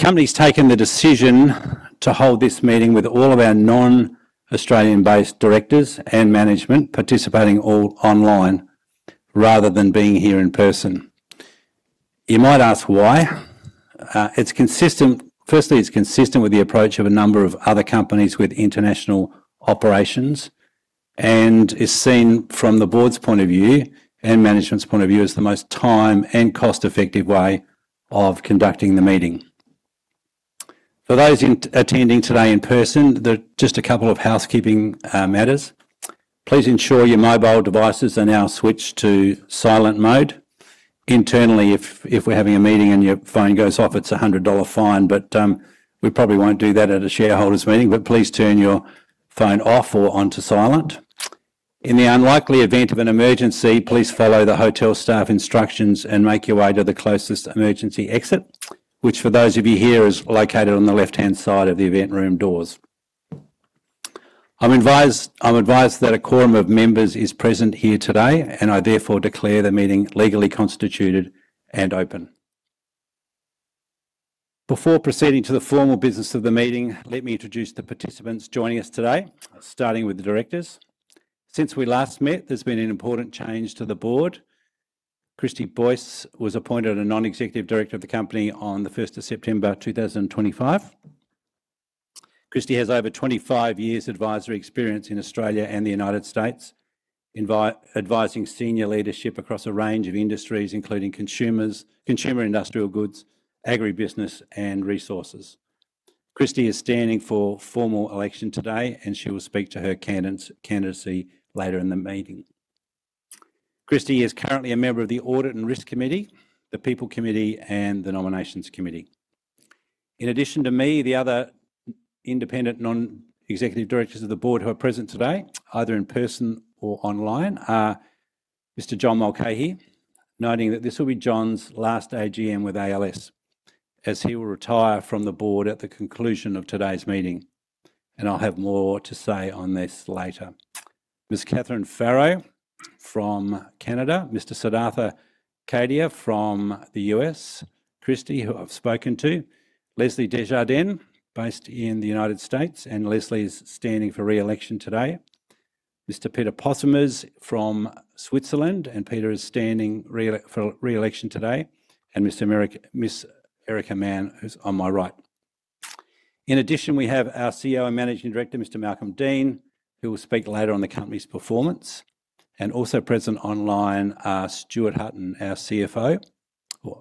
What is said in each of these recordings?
The company's taken the decision to hold this meeting with all of our non-Australian-based directors and management participating all online rather than being here in person. You might ask why. It's consistent with the approach of a number of other companies with international operations, and is seen from the board's point of view and management's point of view as the most time and cost effective way of conducting the meeting. For those attending today in person, just a couple of housekeeping matters. Please ensure your mobile devices are now switched to silent mode. Internally, if we're having a meeting and your phone goes off, it's an 100 dollar fine, but we probably won't do that at a shareholder's meeting. Please turn your phone off or onto silent. In the unlikely event of an emergency, please follow the hotel staff instructions and make your way to the closest emergency exit, which for those of you here, is located on the left-hand side of the event room doors. I'm advised that a quorum of members is present here today, and I therefore declare the meeting legally constituted and open. Before proceeding to the formal business of the meeting, let me introduce the participants joining us today, starting with the directors. Since we last met, there's been an important change to the board. Christy Boyce was appointed a Non-Executive Director of the company on the 1st of September 2025. Christy has over 25 years advisory experience in Australia and the U.S., advising senior leadership across a range of industries including consumer industrial goods, agribusiness, and resources. Christy is standing for formal election today, and she will speak to her candidacy later in the meeting. Christy is currently a member of the Audit and Risk Committee, the People Committee, and the Nominations Committee. In addition to me, the other Independent Non-Executive Directors of the board who are present today, either in person or online, are Mr. John Mulcahy, noting that this will be John's last AGM with ALS, as he will retire from the board at the conclusion of today's meeting. I'll have more to say on this later. Ms. Catharine Farrow from Canada, Mr. Siddhartha Kadia from the U.S., Christy, who I've spoken to, Leslie Desjardins, based in the U.S., and Leslie's standing for re-election today. Mr. Peter Possemiers from Switzerland, and Peter is standing for re-election today, and Ms. Erica Mann, who's on my right. In addition, we have our Chief Executive Officer and Managing Director, Mr. Malcolm Deane, who will speak later on the company's performance. Also present online are Stuart Hutton, our Chief Financial Officer.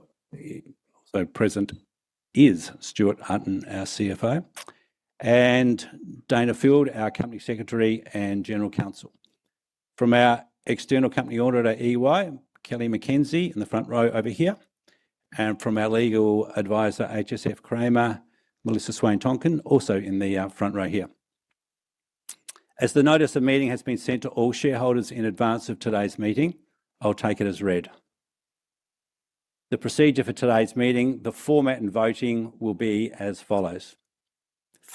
Also present is Stuart Hutton, our Chief Financial Officer, and Dayna Field, our Company Secretary and General Counsel. From our external company auditor, EY, Kelly McKenzie in the front row over here, and from our legal advisor, HSF Cramer, Melissa Swain-Tonkin, also in the front row here. As the notice of meeting has been sent to all shareholders in advance of today's meeting, I'll take it as read. The procedure for today's meeting, the format and voting will be as follows.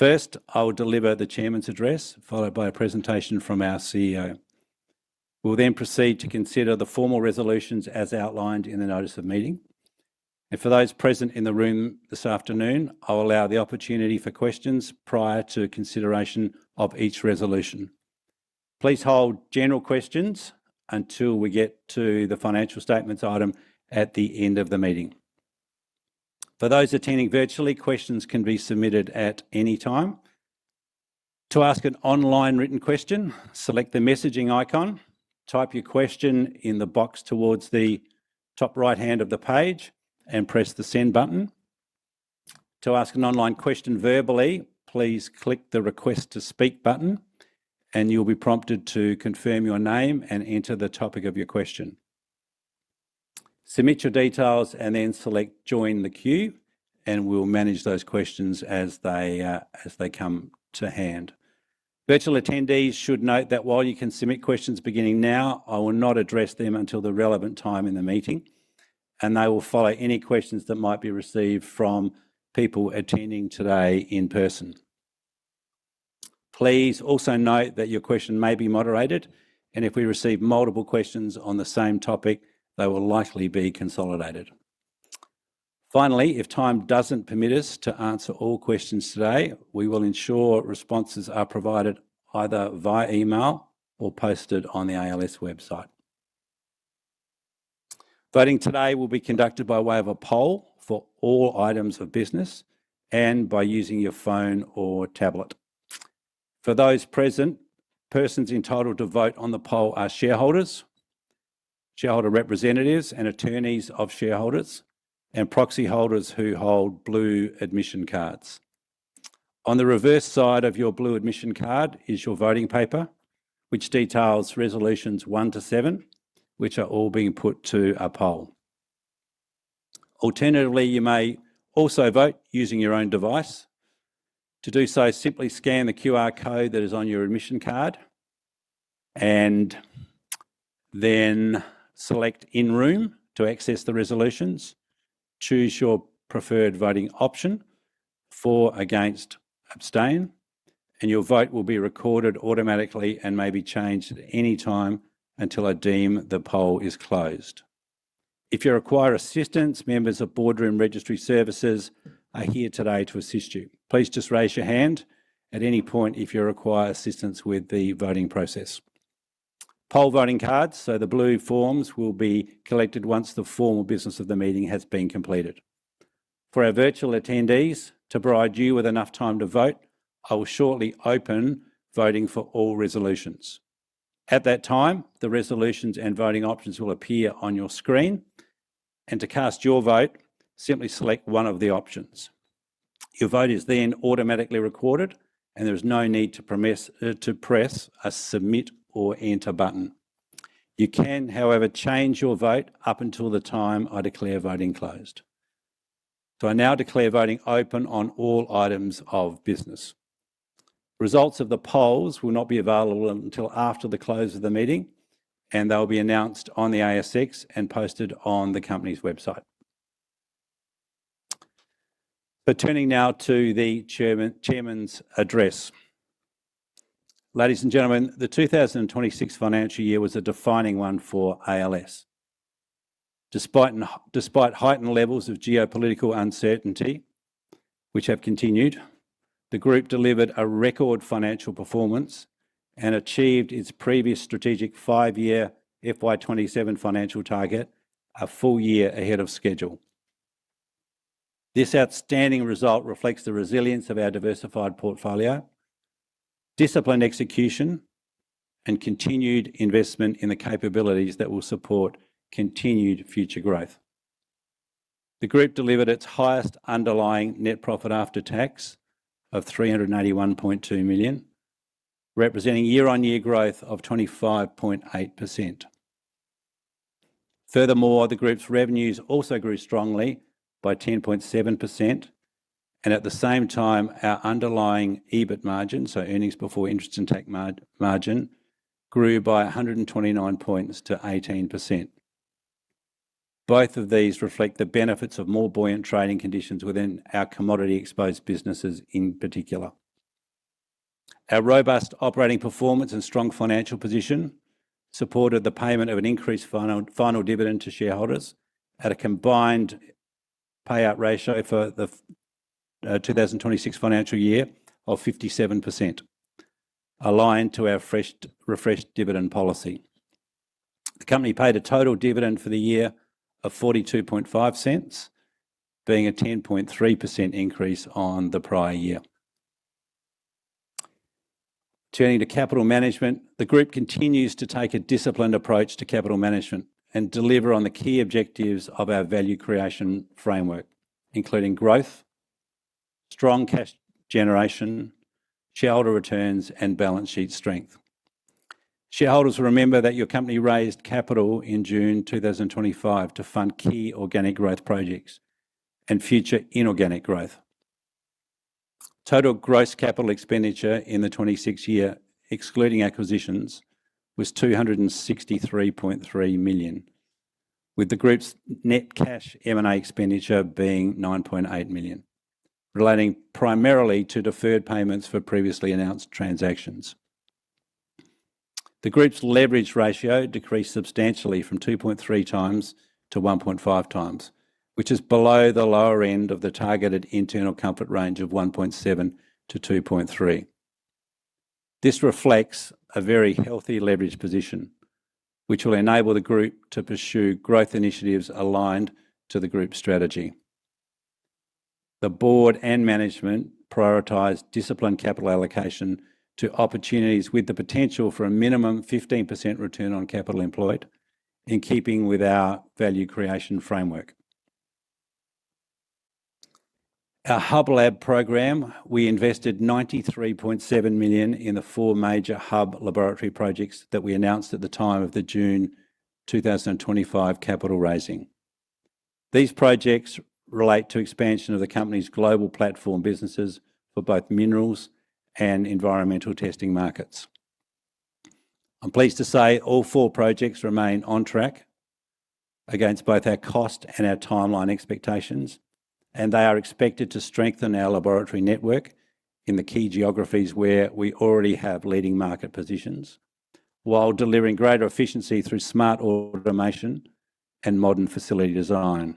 I will deliver the Chairman's address, followed by a presentation from our Chief Executive Officer. We'll proceed to consider the formal resolutions as outlined in the notice of meeting. For those present in the room this afternoon, I'll allow the opportunity for questions prior to consideration of each resolution. Please hold general questions until we get to the financial statements item at the end of the meeting. For those attending virtually, questions can be submitted at any time. To ask an online written question, select the messaging icon, type your question in the box towards the top right-hand of the page, and press the send button. To ask an online question verbally, please click the Request to speak button, and you'll be prompted to confirm your name and enter the topic of your question. Submit your details and then select Join the queue, and we'll manage those questions as they come to hand. Virtual attendees should note that while you can submit questions beginning now, I will not address them until the relevant time in the meeting, and they will follow any questions that might be received from people attending today in person. Please also note that your question may be moderated, and if we receive multiple questions on the same topic, they will likely be consolidated. Finally, if time doesn't permit us to answer all questions today, we will ensure responses are provided either via email or posted on the ALS website. Voting today will be conducted by way of a poll for all items of business and by using your phone or tablet. For those present, persons entitled to vote on the poll are shareholders, shareholder representatives and attorneys of shareholders, and proxy holders who hold blue admission cards. On the reverse side of your blue admission card is your voting paper, which details resolutions one to seven, which are all being put to a poll. Alternatively, you may also vote using your own device. To do so, simply scan the QR code that is on your admission card, then select In room to access the resolutions. Choose your preferred voting option, for, against, abstain. Your vote will be recorded automatically and may be changed at any time until I deem the poll is closed. If you require assistance, members of Boardroom Registry Services are here today to assist you. Please just raise your hand at any point if you require assistance with the voting process. Poll voting cards, so the blue forms, will be collected once the formal business of the meeting has been completed. For our virtual attendees, to provide you with enough time to vote, I will shortly open voting for all resolutions. At that time, the resolutions and voting options will appear on your screen, and to cast your vote, simply select one of the options. Your vote is then automatically recorded, and there is no need to press a submit or enter button. You can, however, change your vote up until the time I declare voting closed. I now declare voting open on all items of business. Results of the polls will not be available until after the close of the meeting, and they'll be announced on the ASX and posted on the company's website. Turning now to the Chairman's address. Ladies and gentlemen, the 2026 financial year was a defining one for ALS. Despite heightened levels of geopolitical uncertainty, which have continued, the group delivered a record financial performance and achieved its previous strategic five-year FY 2027 financial target a full year ahead of schedule. This outstanding result reflects the resilience of our diversified portfolio, disciplined execution, and continued investment in the capabilities that will support continued future growth. The group delivered its highest underlying net profit after tax of 381.2 million, representing year-on-year growth of 25.8%. Furthermore, the group's revenues also grew strongly by 10.7%, and at the same time, our underlying EBIT margin, so earnings before interest and tax margin, grew by 129 points to 18%. Both of these reflect the benefits of more buoyant trading conditions within our commodity exposed businesses in particular. Our robust operating performance and strong financial position supported the payment of an increased final dividend to shareholders at a combined payout ratio for the 2026 financial year of 57%, aligned to our refreshed dividend policy. The company paid a total dividend for the year of 0.425, being a 10.3% increase on the prior year. Turning to capital management, the group continues to take a disciplined approach to capital management and deliver on the key objectives of our value creation framework, including growth, strong cash generation, shareholder returns, and balance sheet strength. Shareholders will remember that your company raised capital in June 2025 to fund key organic growth projects and future inorganic growth. Total gross capital expenditure in the 2026 year, excluding acquisitions, was 263.3 million, with the group's net cash M&A expenditure being 9.8 million, relating primarily to deferred payments for previously announced transactions. The group's leverage ratio decreased substantially from 2.3x to 1.5x, which is below the lower end of the targeted internal comfort range of 1.7-2.3. This reflects a very healthy leverage position, which will enable the group to pursue growth initiatives aligned to the group strategy. The board and management prioritize disciplined capital allocation to opportunities with the potential for a minimum 15% return on capital employed, in keeping with our value creation framework. Our Hub Lab program, we invested 93.7 million in the four major Hub Laboratory projects that we announced at the time of the June 2025 capital raising. These projects relate to expansion of the company's global platform businesses for both Minerals and Environmental testing markets. I'm pleased to say all four projects remain on track against both our cost and our timeline expectations, and they are expected to strengthen our laboratory network in the key geographies where we already have leading market positions while delivering greater efficiency through smart automation and modern facility design.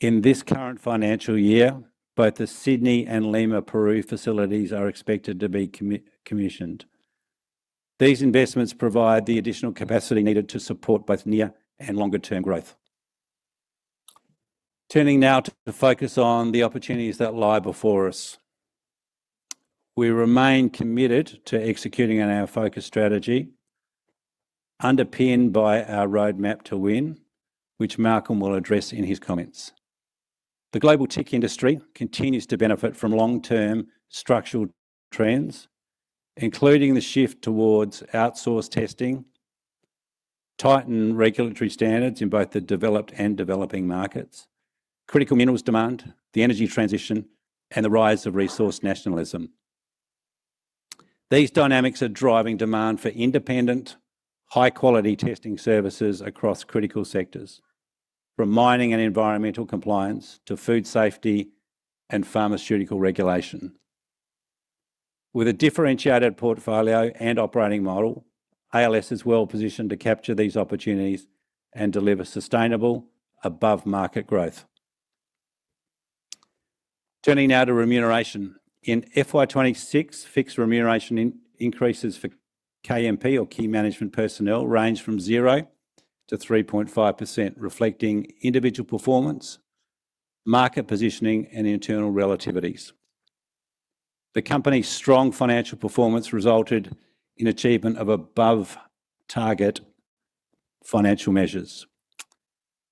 In this current financial year, both the Sydney and Lima, Peru facilities are expected to be commissioned. These investments provide the additional capacity needed to support both near and longer-term growth. Turning now to focus on the opportunities that lie before us. We remain committed to executing on our focus strategy underpinned by our Roadmap to Win, which Malcolm will address in his comments. The global TIC industry continues to benefit from long-term structural trends, including the shift towards outsourced testing, tightened regulatory standards in both the developed and developing markets, critical minerals demand, the energy transition, and the rise of resource nationalism. These dynamics are driving demand for independent, high-quality testing services across critical sectors, from mining and environmental compliance to food safety and pharmaceutical regulation. With a differentiated portfolio and operating model, ALS is well-positioned to capture these opportunities and deliver sustainable above-market growth. Turning now to remuneration. In FY 2026, fixed remuneration increases for KMP or Key Management Personnel range from 0%-3.5%, reflecting individual performance, market positioning, and internal relativities. The company's strong financial performance resulted in achievement of above-target financial measures.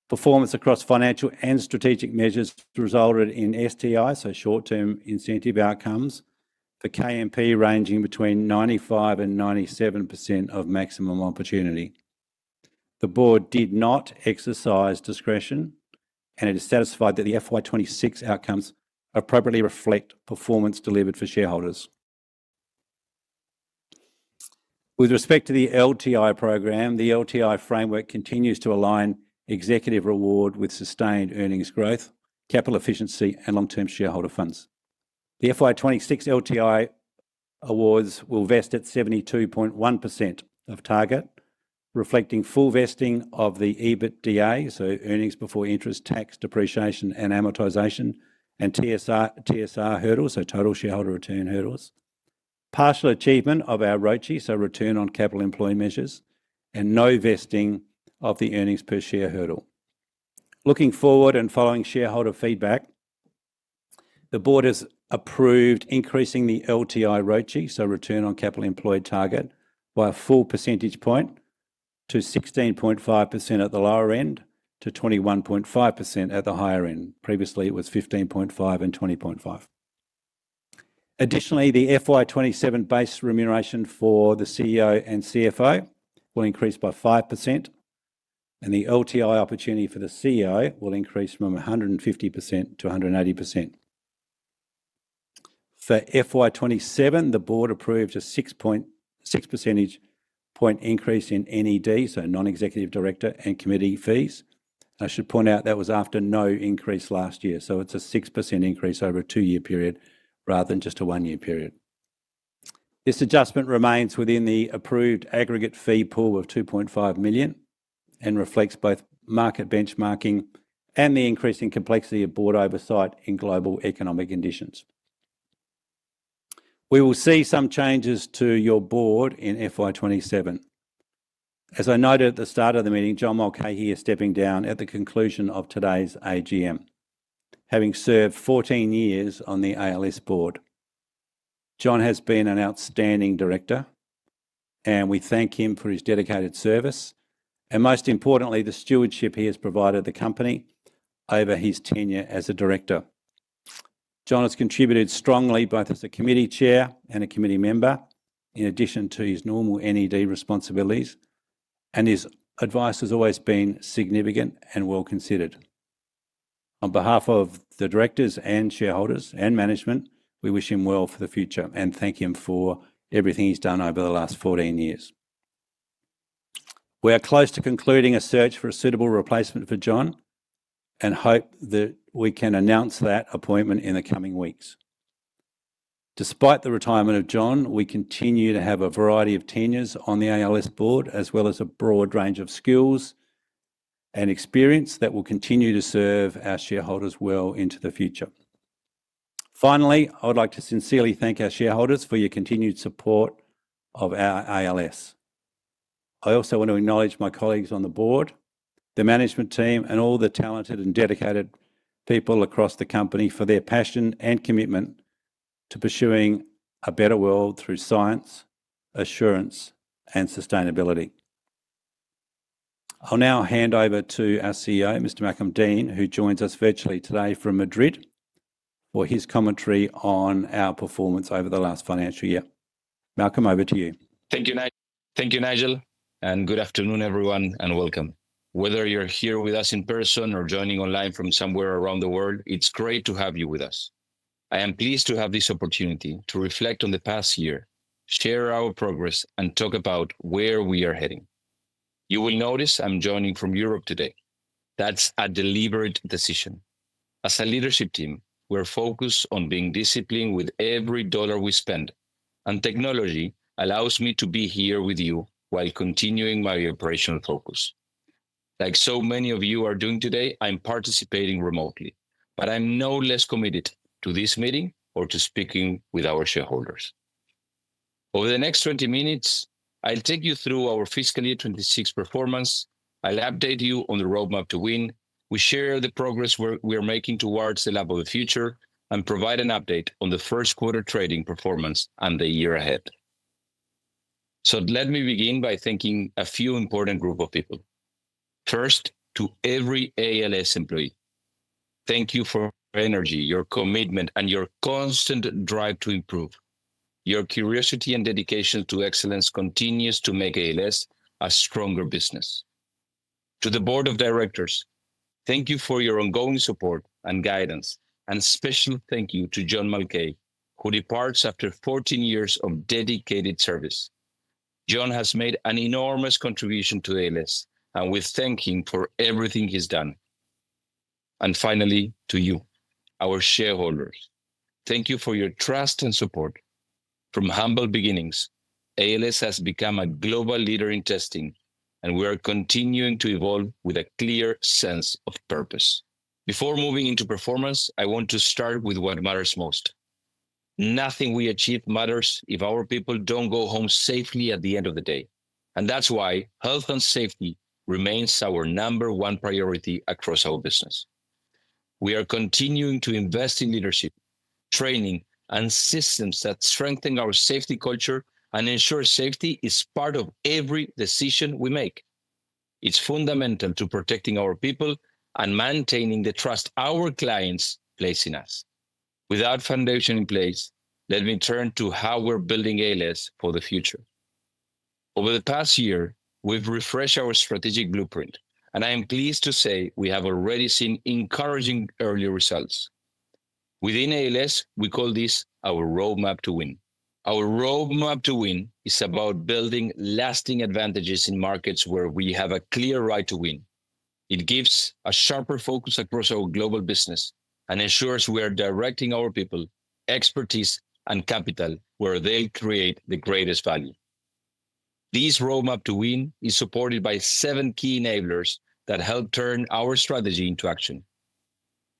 Performance across financial and strategic measures resulted in STI, so Short-Term Incentive outcomes, for KMP ranging between 95% and 97% of maximum opportunity. The board did not exercise discretion, and it is satisfied that the FY 2026 outcomes appropriately reflect performance delivered for shareholders. With respect to the LTI program, the LTI framework continues to align executive reward with sustained earnings growth, capital efficiency, and long-term shareholder funds. The FY 2026 LTI awards will vest at 72.1% of target, reflecting full vesting of the EBITDA, so earnings before interest, tax, depreciation, and amortization, and TSR hurdles, so total shareholder return hurdles. Partial achievement of our ROCE, so return on capital employed measures, and no vesting of the earnings per share hurdle. Looking forward and following shareholder feedback, the board has approved increasing the LTI ROCE, so return on capital employed target, by a full percentage point to 16.5% at the lower end to 21.5% at the higher end. Previously, it was 15.5% and 20.5%. The FY 2027 base remuneration for the CEO and CFO will increase by 5%, and the LTI opportunity for the CEO will increase from 150%-180%. For FY 2027, the board approved a 6% percentage point increase in NED, so Non-Executive Director and committee fees. I should point out that was after no increase last year, so it's a 6% increase over a two-year period rather than just a one-year period. This adjustment remains within the approved aggregate fee pool of 2.5 million and reflects both market benchmarking and the increasing complexity of board oversight in global economic conditions. We will see some changes to your board in FY 2027. As I noted at the start of the meeting, John Mulcahy is stepping down at the conclusion of today's AGM, having served 14 years on the ALS board. John has been an outstanding director, and we thank him for his dedicated service and, most importantly, the stewardship he has provided the company over his tenure as a director. John has contributed strongly both as a committee chair and a committee member, in addition to his normal NED responsibilities, and his advice has always been significant and well-considered. On behalf of the directors and shareholders and management, we wish him well for the future and thank him for everything he's done over the last 14 years. We are close to concluding a search for a suitable replacement for John and hope that we can announce that appointment in the coming weeks. Despite the retirement of John, we continue to have a variety of tenures on the ALS board as well as a broad range of skills and experience that will continue to serve our shareholders well into the future. Finally, I would like to sincerely thank our shareholders for your continued support of our ALS. I also want to acknowledge my colleagues on the Board, the management team, and all the talented and dedicated people across the company for their passion and commitment to pursuing a better world through science, assurance, and sustainability. I will now hand over to our Chief Executive Officer, Mr. Malcolm Deane, who joins us virtually today from Madrid, for his commentary on our performance over the last financial year. Malcolm, over to you. Thank you, Nigel, and good afternoon, everyone, and welcome. Whether you are here with us in person or joining online from somewhere around the world, it is great to have you with us. I am pleased to have this opportunity to reflect on the past year, share our progress, and talk about where we are heading. You will notice I am joining from Europe today. That is a deliberate decision. As a leadership team, we are focused on being disciplined with every AUD we spend, and technology allows me to be here with you while continuing my operational focus. Like so many of you are doing today, I am participating remotely, but I am no less committed to this meeting or to speaking with our shareholders. Over the next 20 minutes, I will take you through our fiscal year 2026 performance. I will update you on the Roadmap to Win, we share the progress we are making towards the Lab of the Future, and provide an update on the first quarter trading performance and the year ahead. Let me begin by thanking a few important group of people. First, to every ALS employee, thank you for your energy, your commitment, and your constant drive to improve. Your curiosity and dedication to excellence continues to make ALS a stronger business. To the Board of Directors, thank you for your ongoing support and guidance, and special thank you to John Mulcahy, who departs after 14 years of dedicated service. John has made an enormous contribution to ALS, and we thank him for everything he has done. And finally, to you, our shareholders, thank you for your trust and support. From humble beginnings, ALS has become a global leader in testing, and we are continuing to evolve with a clear sense of purpose. Before moving into performance, I want to start with what matters most. Nothing we achieve matters if our people do not go home safely at the end of the day, and that is why health and safety remains our number one priority across our business. We are continuing to invest in leadership, training, and systems that strengthen our safety culture and ensure safety is part of every decision we make. It is fundamental to protecting our people and maintaining the trust our clients place in us. With that foundation in place, let me turn to how we are building ALS for the future. Over the past year, we have refreshed our strategic blueprint, and I am pleased to say we have already seen encouraging early results. Within ALS, we call this our Roadmap to Win. Our Roadmap to Win is about building lasting advantages in markets where we have a clear right to win. It gives a sharper focus across our global business and ensures we are directing our people, expertise, and capital where they create the greatest value. This Roadmap to Win is supported by seven key enablers that help turn our strategy into action.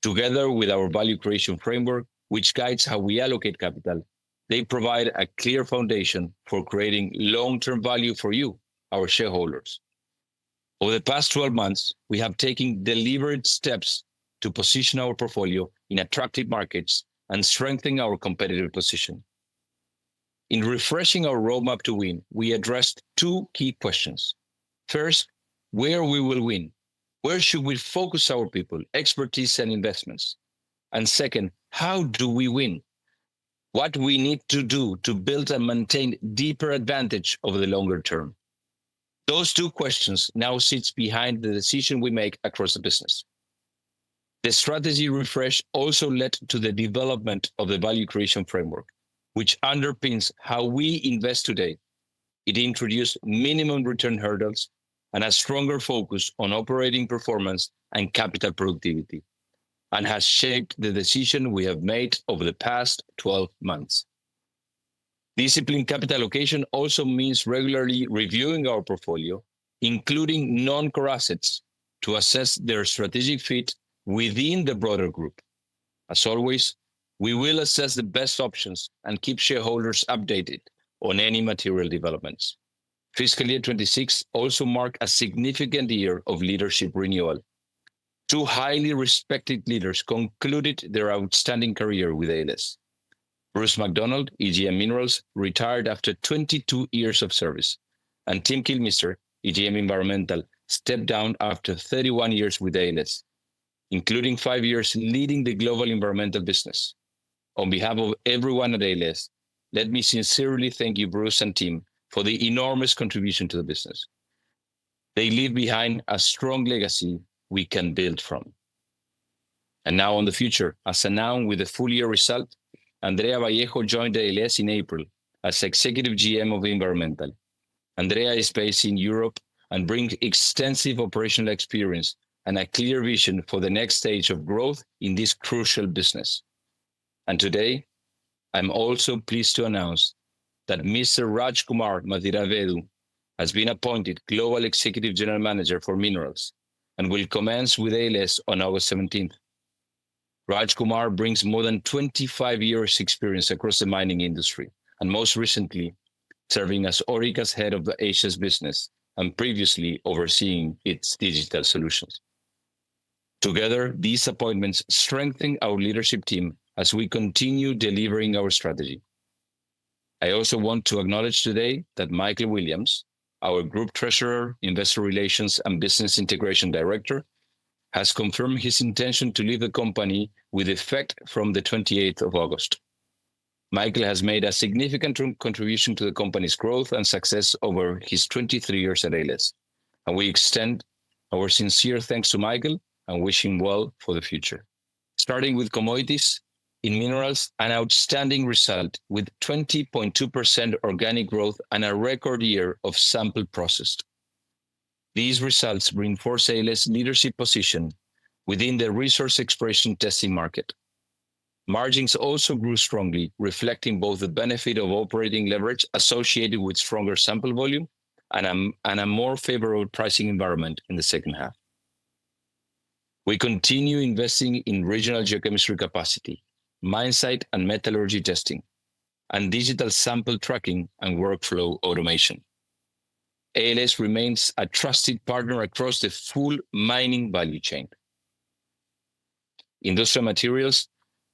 Together with our value creation framework, which guides how we allocate capital, they provide a clear foundation for creating long-term value for you, our shareholders. Over the past 12 months, we have taken deliberate steps to position our portfolio in attractive markets and strengthen our competitive position. In refreshing our Roadmap to Win, we addressed two key questions. First, where we will win. Where should we focus our people, expertise, and investments? Second, how do we win? What do we need to do to build and maintain deeper advantage over the longer term? Those two questions now sit behind the decisions we make across the business. The strategy refresh also led to the development of the value creation framework, which underpins how we invest today. It introduced minimum return hurdles and a stronger focus on operating performance and capital productivity, and has shaped the decisions we have made over the past 12 months. Disciplined capital allocation also means regularly reviewing our portfolio, including non-core assets, to assess their strategic fit within the broader group. As always, we will assess the best options and keep shareholders updated on any material developments. Fiscal year 2026 also marked a significant year of leadership renewal. Two highly respected leaders concluded their outstanding career with ALS. Bruce McDonald, AGM Minerals, retired after 22 years of service. Tim Kilmister, AGM Environmental, stepped down after 31 years with ALS, including five years leading the global environmental business. On behalf of everyone at ALS, let me sincerely thank you, Bruce and Tim, for the enormous contribution to the business. They leave behind a strong legacy we can build from. Now on the future, as announced with the full year result, Andrea Vallejo joined ALS in April as Executive GM of Environmental. Andrea is based in Europe and brings extensive operational experience and a clear vision for the next stage of growth in this crucial business. Today, I'm also pleased to announce that Mr. Rajkumar Mathiravedu has been appointed Global Executive General Manager for Minerals and will commence with ALS on August 17th. Rajkumar brings more than 25 years' experience across the mining industry, most recently serving as Orica's Head of the Asia business and previously overseeing its digital solutions. Together, these appointments strengthen our leadership team as we continue delivering our strategy. I also want to acknowledge today that Michael Williams, our Group Treasurer, Investor Relations, and Business Integration Director, has confirmed his intention to leave the company with effect from the 28th of August. Michael has made a significant contribution to the company's growth and success over his 23 years at ALS, and we extend our sincere thanks to Michael and wish him well for the future. Starting with commodities. In minerals, an outstanding result with 20.2% organic growth and a record year of sample processed. These results reinforce ALS' leadership position within the resource exploration testing market. Margins also grew strongly, reflecting both the benefit of operating leverage associated with stronger sample volume and a more favorable pricing environment in the second half. We continue investing in regional geochemistry capacity, mine site and metallurgy testing, and digital sample tracking and workflow automation. ALS remains a trusted partner across the full mining value chain. Industrial Materials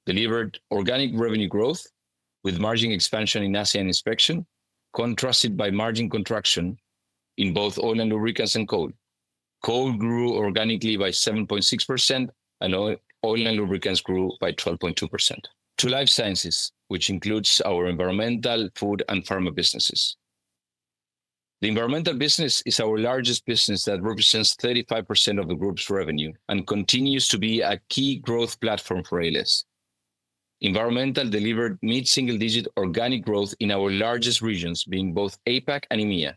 delivered organic revenue growth with margin expansion in ASEAN inspection, contrasted by margin contraction in both oil and lubricants and coal. Coal grew organically by 7.6%, and oil and lubricants grew by 12.2%. To Life Sciences, which includes our environmental, food, and pharma businesses. The environmental business is our largest business that represents 35% of the group's revenue and continues to be a key growth platform for ALS. Environmental delivered mid-single digit organic growth in our largest regions being both APAC and EMEA,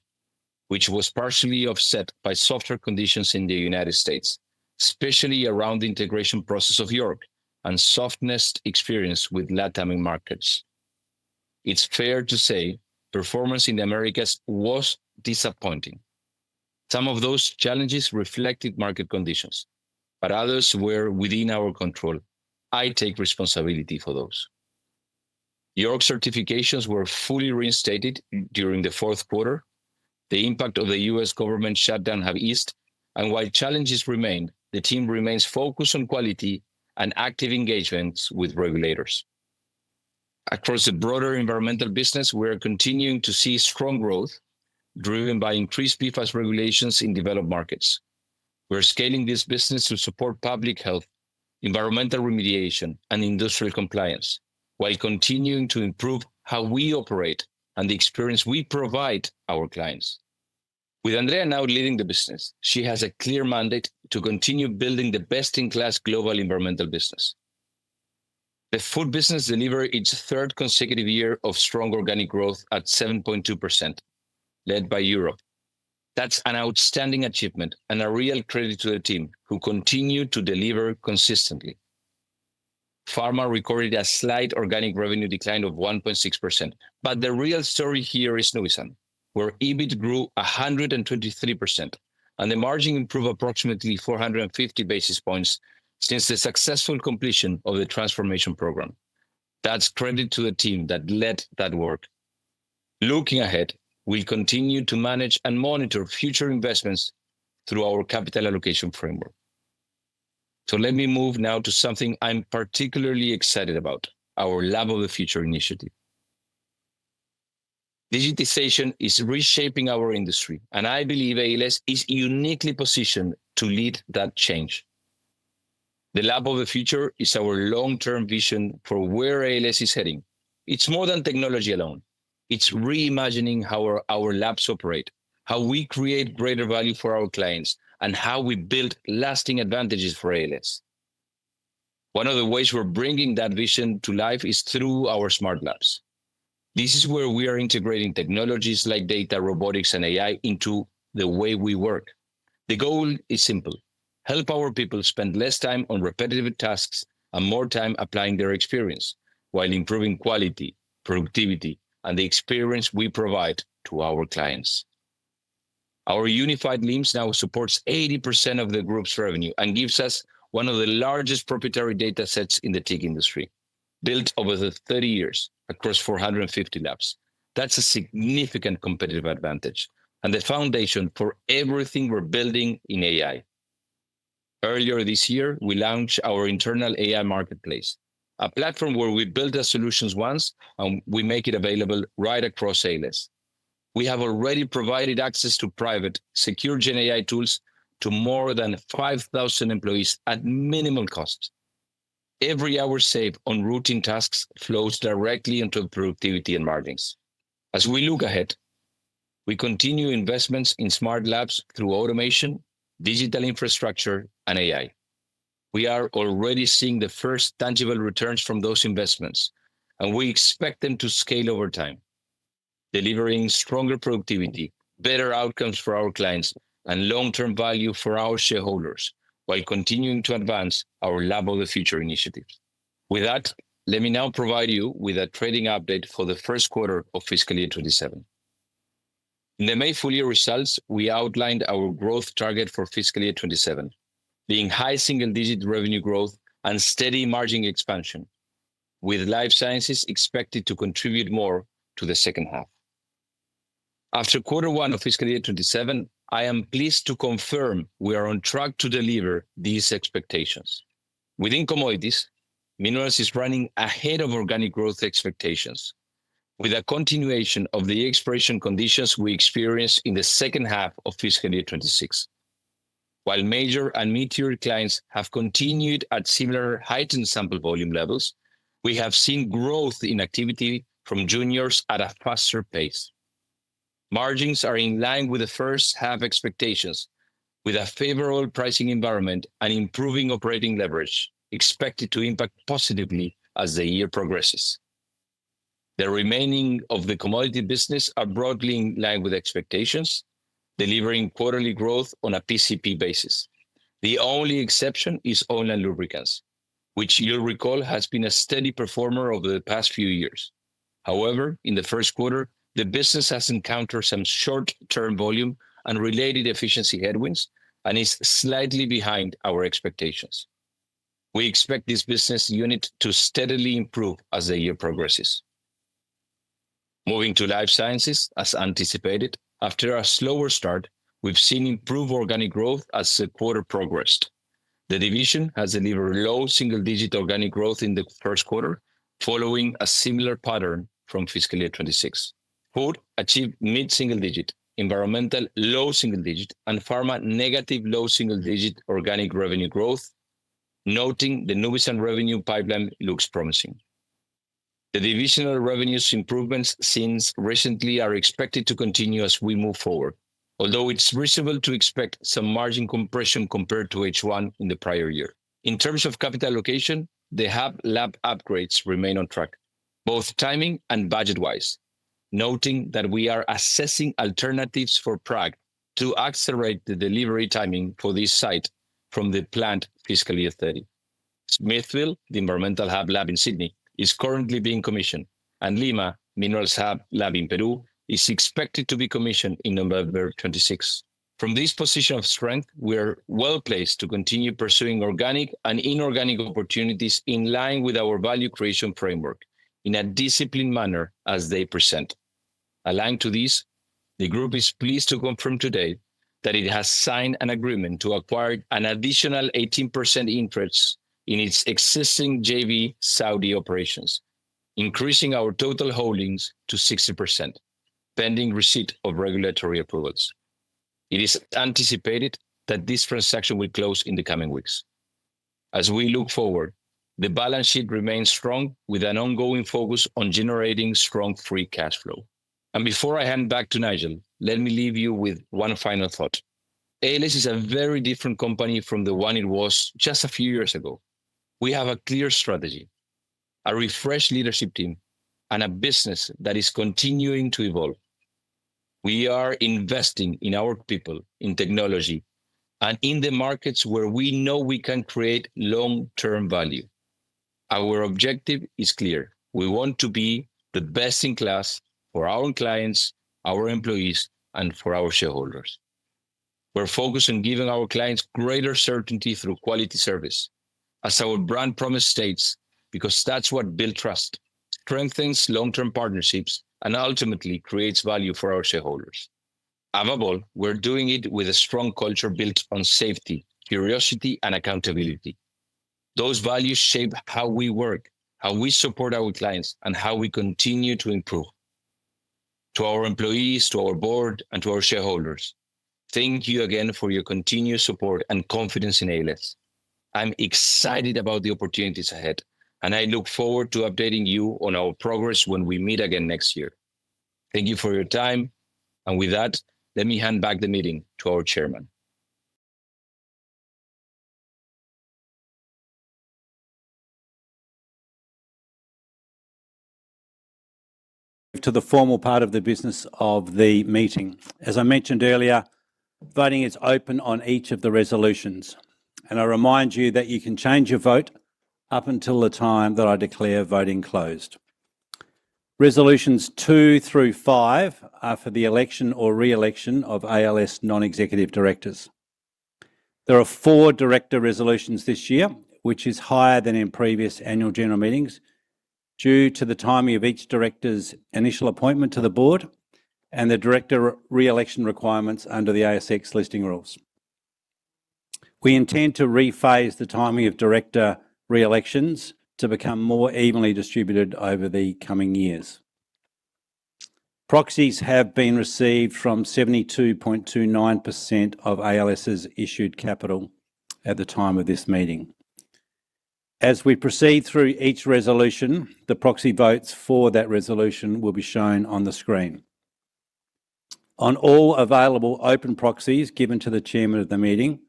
which was partially offset by softer conditions in the United States, especially around the integration process of York and softness experienced with LatAm markets. It's fair to say performance in the Americas was disappointing. Some of those challenges reflected market conditions, but others were within our control. I take responsibility for those. York certifications were fully reinstated during the fourth quarter. The impact of the U.S. government shutdown have eased, and while challenges remain, the team remains focused on quality and active engagements with regulators. Across the broader environmental business, we're continuing to see strong growth driven by increased PFAS regulations in developed markets. We're scaling this business to support public health, environmental remediation, and industrial compliance while continuing to improve how we operate and the experience we provide our clients. With Andrea now leading the business, she has a clear mandate to continue building the best-in-class global environmental business. The food business delivered its third consecutive year of strong organic growth at 7.2%, led by Europe. That's an outstanding achievement and a real credit to the team who continue to deliver consistently. Pharma recorded a slight organic revenue decline of 1.6%, but the real story here is Nuvisan, where EBIT grew 123% and the margin improved approximately 450 basis points since the successful completion of the transformation program. That's credit to the team that led that work. Looking ahead, we'll continue to manage and monitor future investments through our capital allocation framework. Let me move now to something I'm particularly excited about, our Lab of the Future initiative. Digitization is reshaping our industry, and I believe ALS is uniquely positioned to lead that change. The Lab of the Future is our long-term vision for where ALS is heading. It's more than technology alone. It's reimagining how our labs operate, how we create greater value for our clients, and how we build lasting advantages for ALS. One of the ways we're bringing that vision to life is through our smart labs. This is where we are integrating technologies like data, robotics, and AI into the way we work. The goal is simple: help our people spend less time on repetitive tasks and more time applying their experience while improving quality, productivity, and the experience we provide to our clients. Our unified LIMS now supports 80% of the group's revenue and gives us one of the largest proprietary data sets in the tech industry, built over the 30 years across 450 labs. That's a significant competitive advantage and the foundation for everything we're building in AI. Earlier this year, we launched our internal AI marketplace, a platform where we build the solutions once, and we make it available right across ALS. We have already provided access to private, secure gen AI tools to more than 5,000 employees at minimal cost. Every hour saved on routine tasks flows directly into productivity and margins. As we look ahead, we continue investments in smart labs through automation, digital infrastructure, and AI. We are already seeing the first tangible returns from those investments, and we expect them to scale over time, delivering stronger productivity, better outcomes for our clients, and long-term value for our shareholders while continuing to advance our Lab of the Future initiatives. With that, let me now provide you with a trading update for the first quarter of fiscal year 2027. In the May full-year results, we outlined our growth target for fiscal year 2027 being high single-digit revenue growth and steady margin expansion, with Life Sciences expected to contribute more to the second half. After quarter one of fiscal year 2027, I am pleased to confirm we are on track to deliver these expectations. Within commodities, Minerals is running ahead of organic growth expectations with a continuation of the exploration conditions we experienced in the second half of fiscal year 2026. While major and mid-tier clients have continued at similar heightened sample volume levels, we have seen growth in activity from juniors at a faster pace. Margins are in line with the first half expectations, with a favorable pricing environment and improving operating leverage expected to impact positively as the year progresses. The remaining of the commodity business are broadly in line with expectations, delivering quarterly growth on a PCP basis. The only exception is oil and lubricants, which you'll recall has been a steady performer over the past few years. However, in the first quarter, the business has encountered some short-term volume and related efficiency headwinds and is slightly behind our expectations. We expect this business unit to steadily improve as the year progresses. Moving to Life Sciences, as anticipated, after a slower start, we've seen improved organic growth as the quarter progressed. The division has delivered low double-digit organic growth in the first quarter, following a similar pattern from fiscal year 2026. Food achieved mid-single digit, Environmental low single digit, and Pharma negative low single digit organic revenue growth, noting the Nuvisan revenue pipeline looks promising. The divisional revenues improvements since recently are expected to continue as we move forward, although it's reasonable to expect some margin compression compared to H1 in the prior year. In terms of capital allocation, the Hub Lab upgrades remain on track, both timing and budget-wise, noting that we are assessing alternatives for Prague to accelerate the delivery timing for this site from the planned fiscal year 2030. Smithfield, the Environmental Hub Lab in Sydney, is currently being commissioned, and Lima Minerals Hub Lab in Peru is expected to be commissioned in November 2026. From this position of strength, we are well-placed to continue pursuing organic and inorganic opportunities in line with our value creation framework in a disciplined manner as they present. Aligned to this, the group is pleased to confirm today that it has signed an agreement to acquire an additional 18% interest in its existing JV Saudi operations, increasing our total holdings to 60%, pending receipt of regulatory approvals. It is anticipated that this transaction will close in the coming weeks. As we look forward, the balance sheet remains strong, with an ongoing focus on generating strong free cash flow. Before I hand back to Nigel, let me leave you with one final thought. ALS is a very different company from the one it was just a few years ago. We have a clear strategy, a refreshed leadership team, and a business that is continuing to evolve. We are investing in our people, in technology, and in the markets where we know we can create long-term value. Our objective is clear. We want to be the best in class for our clients, our employees, and for our shareholders. We're focused on giving our clients greater certainty through quality service, as our brand promise states, because that's what builds trust, strengthens long-term partnerships, and ultimately creates value for our shareholders. Above all, we're doing it with a strong culture built on safety, curiosity, and accountability. Those values shape how we work, how we support our clients, and how we continue to improve. To our employees, to our board, and to our shareholders, thank you again for your continued support and confidence in ALS. I'm excited about the opportunities ahead, and I look forward to updating you on our progress when we meet again next year. Thank you for your time. With that, let me hand back the meeting to our Chairman. To the formal part of the business of the meeting. As I mentioned earlier, voting is open on each of the resolutions, and I remind you that you can change your vote up until the time that I declare voting closed. Resolutions 2 through 5 are for the election or reelection of ALS non-executive directors. There are four director resolutions this year, which is higher than in previous annual general meetings due to the timing of each director's initial appointment to the board and the director reelection requirements under the ASX Listing Rules. We intend to rephase the timing of director reelections to become more evenly distributed over the coming years. Proxies have been received from 72.29% of ALS's issued capital at the time of this meeting. As we proceed through each resolution, the proxy votes for that resolution will be shown on the screen. On all available open proxies given to the Chairman of the meeting,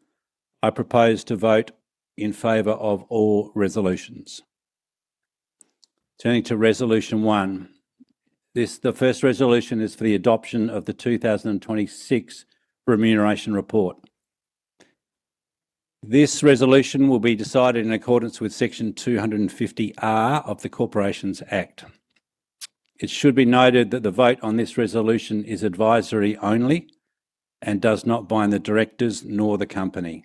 I propose to vote in favor of all resolutions. Turning to resolution 1. The first resolution is for the adoption of the 2026 remuneration report. This resolution will be decided in accordance with Section 250R of the Corporations Act. It should be noted that the vote on this resolution is advisory only and does not bind the directors nor the company.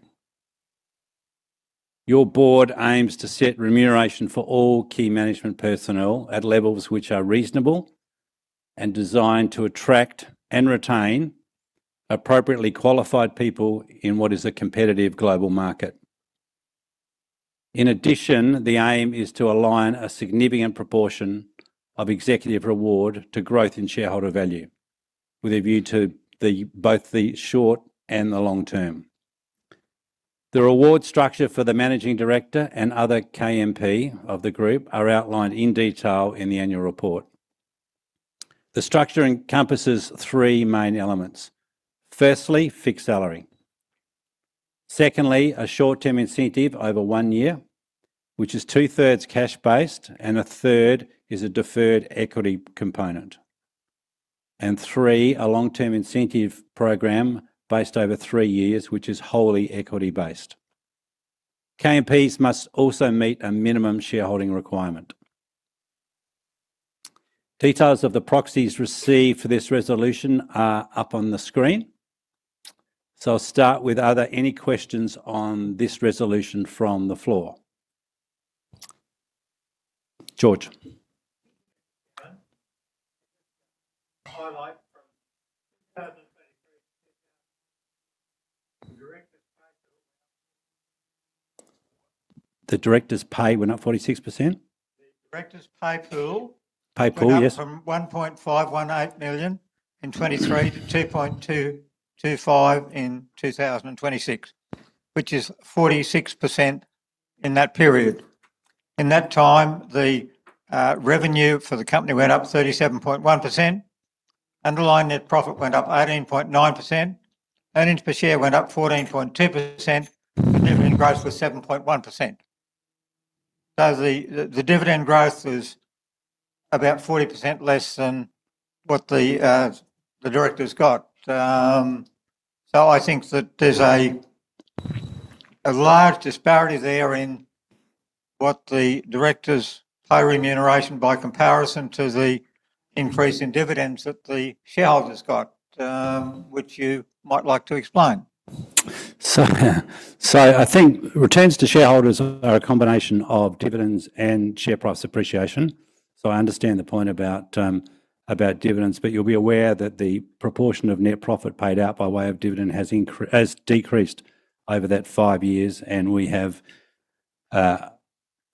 Your Board aims to set remuneration for all key management personnel at levels which are reasonable and designed to attract and retain appropriately qualified people in what is a competitive global market. In addition, the aim is to align a significant proportion of executive reward to growth in shareholder value with a view to both the short and the long term. The reward structure for the managing director and other KMP of the group are outlined in detail in the annual report. The structure encompasses three main elements. Firstly, fixed salary. Secondly, a short-term incentive over one year, which is two-thirds cash-based, and a third is a deferred equity component. Three, a long-term incentive program based over three years, which is wholly equity-based. KMPs must also meet a minimum shareholding requirement. Details of the proxies received for this resolution are up on the screen. I'll start with are there any questions on this resolution from the floor? George. Highlight from 2025 The directors' pay went up 46%? The directors' pay pool. Pay pool, yes Went up from 1.518 million in 2023 to 2.225 million in 2026, which is 46% in that period. In that time, the revenue for the company went up 37.1%, underlying net profit went up 18.9%, earnings per share went up 14.2%, and dividend growth was 7.1%. The dividend growth was about 40% less than what the directors got. I think that there's a large disparity there in what the directors are paid remuneration by comparison to the increase in dividends that the shareholders got, which you might like to explain. I think returns to shareholders are a combination of dividends and share price appreciation. I understand the point about dividends, but you'll be aware that the proportion of net profit paid out by way of dividend has decreased over that five years, and we have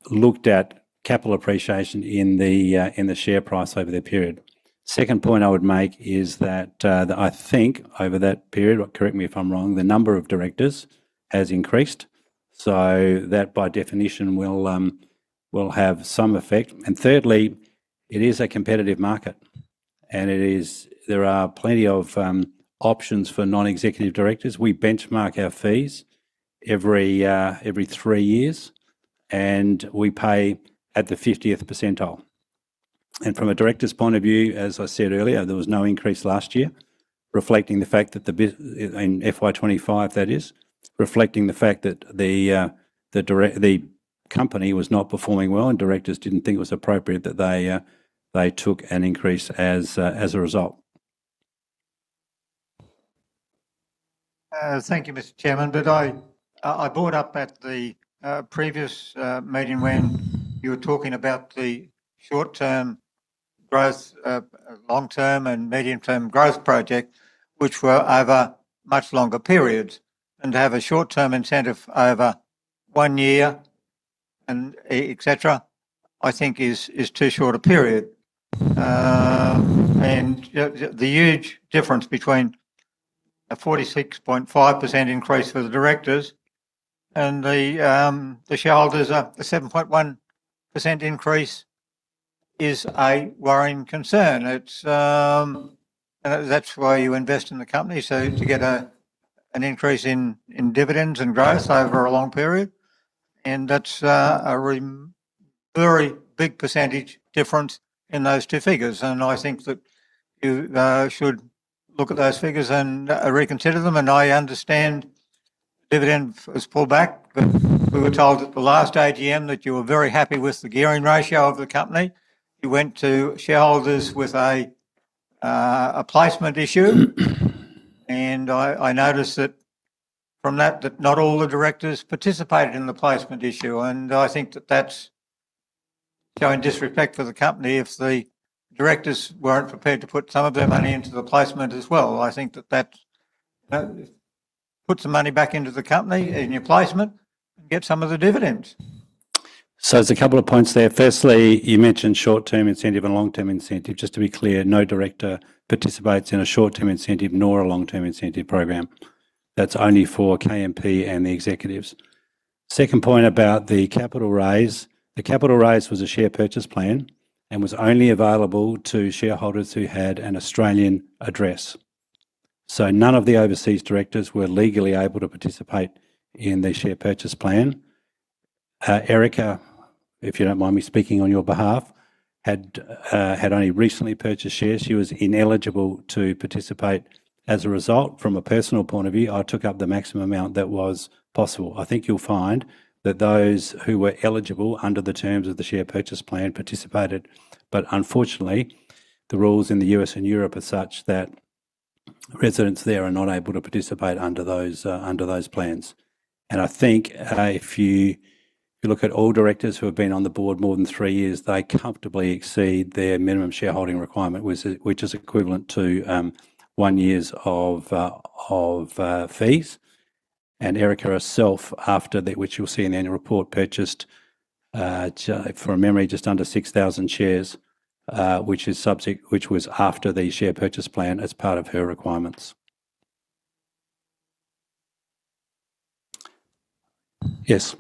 looked at capital appreciation in the share price over the period. Second point I would make is that, I think over that period, correct me if I'm wrong, the number of Directors has increased, so that by definition will have some effect. Thirdly, it is a competitive market, and there are plenty of options for Non-Executive Directors. We benchmark our fees every three years, and we pay at the 50th percentile. From a Director's point of view, as I said earlier, there was no increase last year, in FY 2025 that is, reflecting the fact that the company was not performing well, and Directors didn't think it was appropriate that they took an increase as a result. Thank you, Mr. Chairman. I brought up at the previous meeting when you were talking about the short-term growth, long-term and medium-term growth project, which were over much longer periods, and to have a short-term incentive over one year, et cetera, I think is too short a period. The huge difference between a 46.5% increase for the directors and the shareholders, a 7.1% increase is a worrying concern. That's why you invest in the company. To get an increase in dividends and growth over a long period, that's a very big percentage difference in those two figures. I think that you should look at those figures and reconsider them, and I understand dividend was pulled back. We were told at the last AGM that you were very happy with the gearing ratio of the company. You went to shareholders with a placement issue, I noticed that from that, not all the directors participated in the placement issue. I think that's showing disrespect for the company if the directors weren't prepared to put some of their money into the placement as well. I think that put some money back into the company in your placement and get some of the dividends. There's a couple of points there. Firstly, you mentioned short-term incentive and long-term incentive. Just to be clear, no director participates in a short-term incentive nor a long-term incentive program. That's only for KMP and the executives. Second point about the capital raise. The capital raise was a share purchase plan and was only available to shareholders who had an Australian address. None of the overseas directors were legally able to participate in the share purchase plan. Erica, if you don't mind me speaking on your behalf, had only recently purchased shares. She was ineligible to participate as a result. From a personal point of view, I took up the maximum amount that was possible. I think you'll find that those who were eligible under the terms of the share purchase plan participated. Unfortunately, the rules in the U.S. and Europe are such that residents there are not able to participate under those plans. I think if you look at all directors who have been on the board more than three years, they comfortably exceed their minimum shareholding requirement, which is equivalent to one years of fees. Erica herself, which you'll see in the annual report, purchased, from memory, just under 6,000 shares, which was after the share purchase plan as part of her requirements. Yes.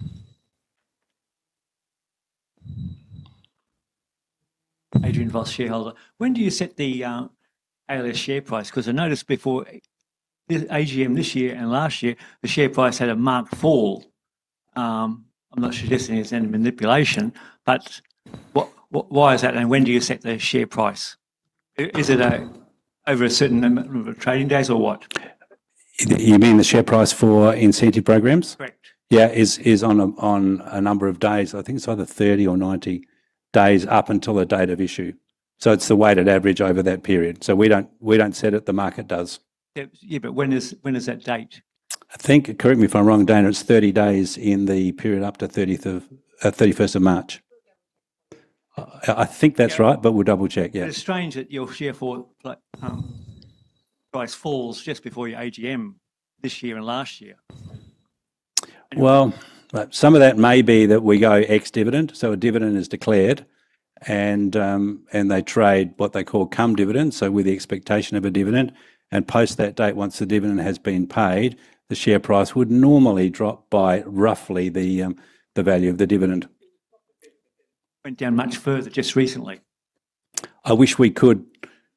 When do you set the ALS share price? I noticed before the AGM this year and last year, the share price had a marked fall. I'm not suggesting it's any manipulation, but why is that and when do you set the share price? Is it over a certain number of trading days or what? You mean the share price for incentive programs? Correct. Yeah. Is on a number of days. I think it's either 30 or 90 days up until the date of issue. It's the weighted average over that period. We don't set it, the market does. Yeah, when is that date? I think, correct me if I'm wrong, Dayna, it's 30 days in the period after 31st of March. I think that's right, but we'll double-check. Yeah. It's strange that your share price falls just before your AGM this year and last year. Well, some of that may be that we go ex-dividend. A dividend is declared, and they trade what they call cum dividend, so with the expectation of a dividend. Post that date, once the dividend has been paid, the share price would normally drop by roughly the value of the dividend. It went down much further just recently. I wish we could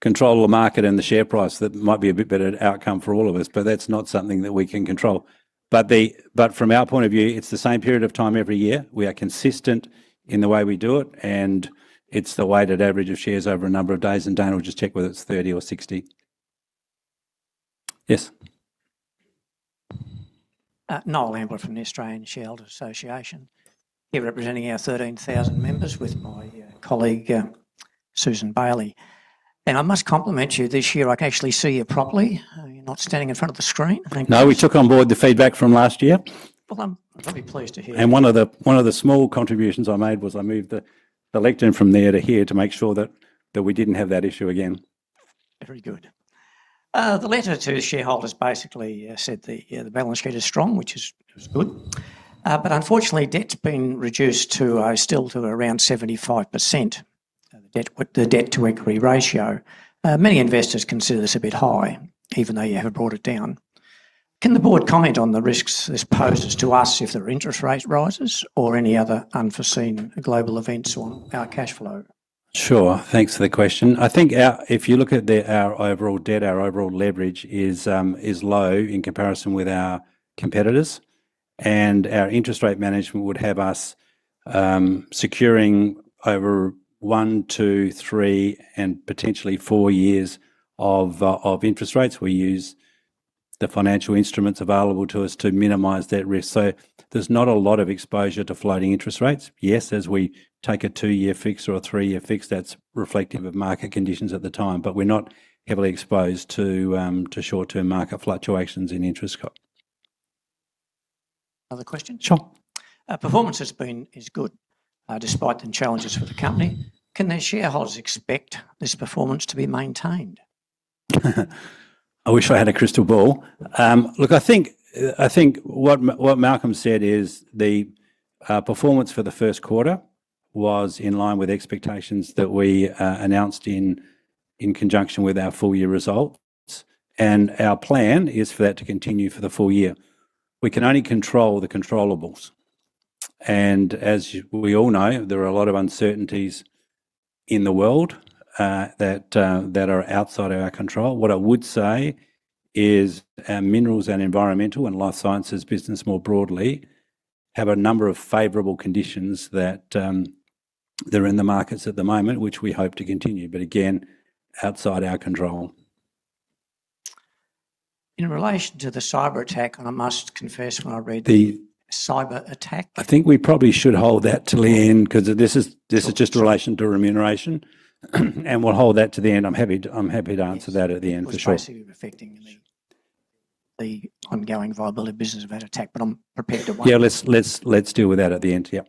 control the market and the share price. That might be a bit better outcome for all of us, that's not something that we can control. From our point of view, it's the same period of time every year. We are consistent in the way we do it, and it's the weighted average of shares over a number of days. Dayna will just check whether it's 30 or 60. Yes. Noel Ambler from the Australian Shareholders' Association, here representing our 13,000 members with my colleague, Susan Bailey. I must compliment you this year, I can actually see you properly. You're not standing in front of the screen. Thank you. No, we took on board the feedback from last year. Well, I'm very pleased to hear that. One of the small contributions I made was I moved the lectern from there to here to make sure that we didn't have that issue again. Very good. The letter to shareholders basically said the balance sheet is strong, which is good. Unfortunately, debt's been reduced still to around 75%, the debt to equity ratio. Many investors consider this a bit high, even though you have brought it down. Can the board comment on the risks this poses to us if the interest rate rises or any other unforeseen global events on our cash flow? Sure. Thanks for the question. I think if you look at our overall debt, our overall leverage is low in comparison with our competitors. Our interest rate management would have us securing over one, two, three, and potentially four years of interest rates. We use the financial instruments available to us to minimize that risk. There's not a lot of exposure to floating interest rates. Yes, as we take a two-year fix or a three-year fix, that's reflective of market conditions at the time. We're not heavily exposed to short-term market fluctuations in interest. Another question. Sure. Performance is good despite the challenges for the company. Can the shareholders expect this performance to be maintained? I wish I had a crystal ball. Look, I think what Malcolm said is the performance for the first quarter was in line with expectations that we announced in conjunction with our full-year results. Our plan is for that to continue for the full year. We can only control the controllables. As we all know, there are a lot of uncertainties in the world that are outside of our control. What I would say is our minerals and environmental and life sciences business more broadly have a number of favorable conditions that they're in the markets at the moment, which we hope to continue, but again, outside our control. In relation to the cyber attack, I must confess when I read the cyber attack- I think we probably should hold that till the end because this is just in relation to remuneration. We'll hold that to the end. I'm happy to answer that at the end, for sure. It was basically affecting the ongoing viability of business of that attack. I'm prepared to wait. Yeah, let's deal with that at the end. Yeah.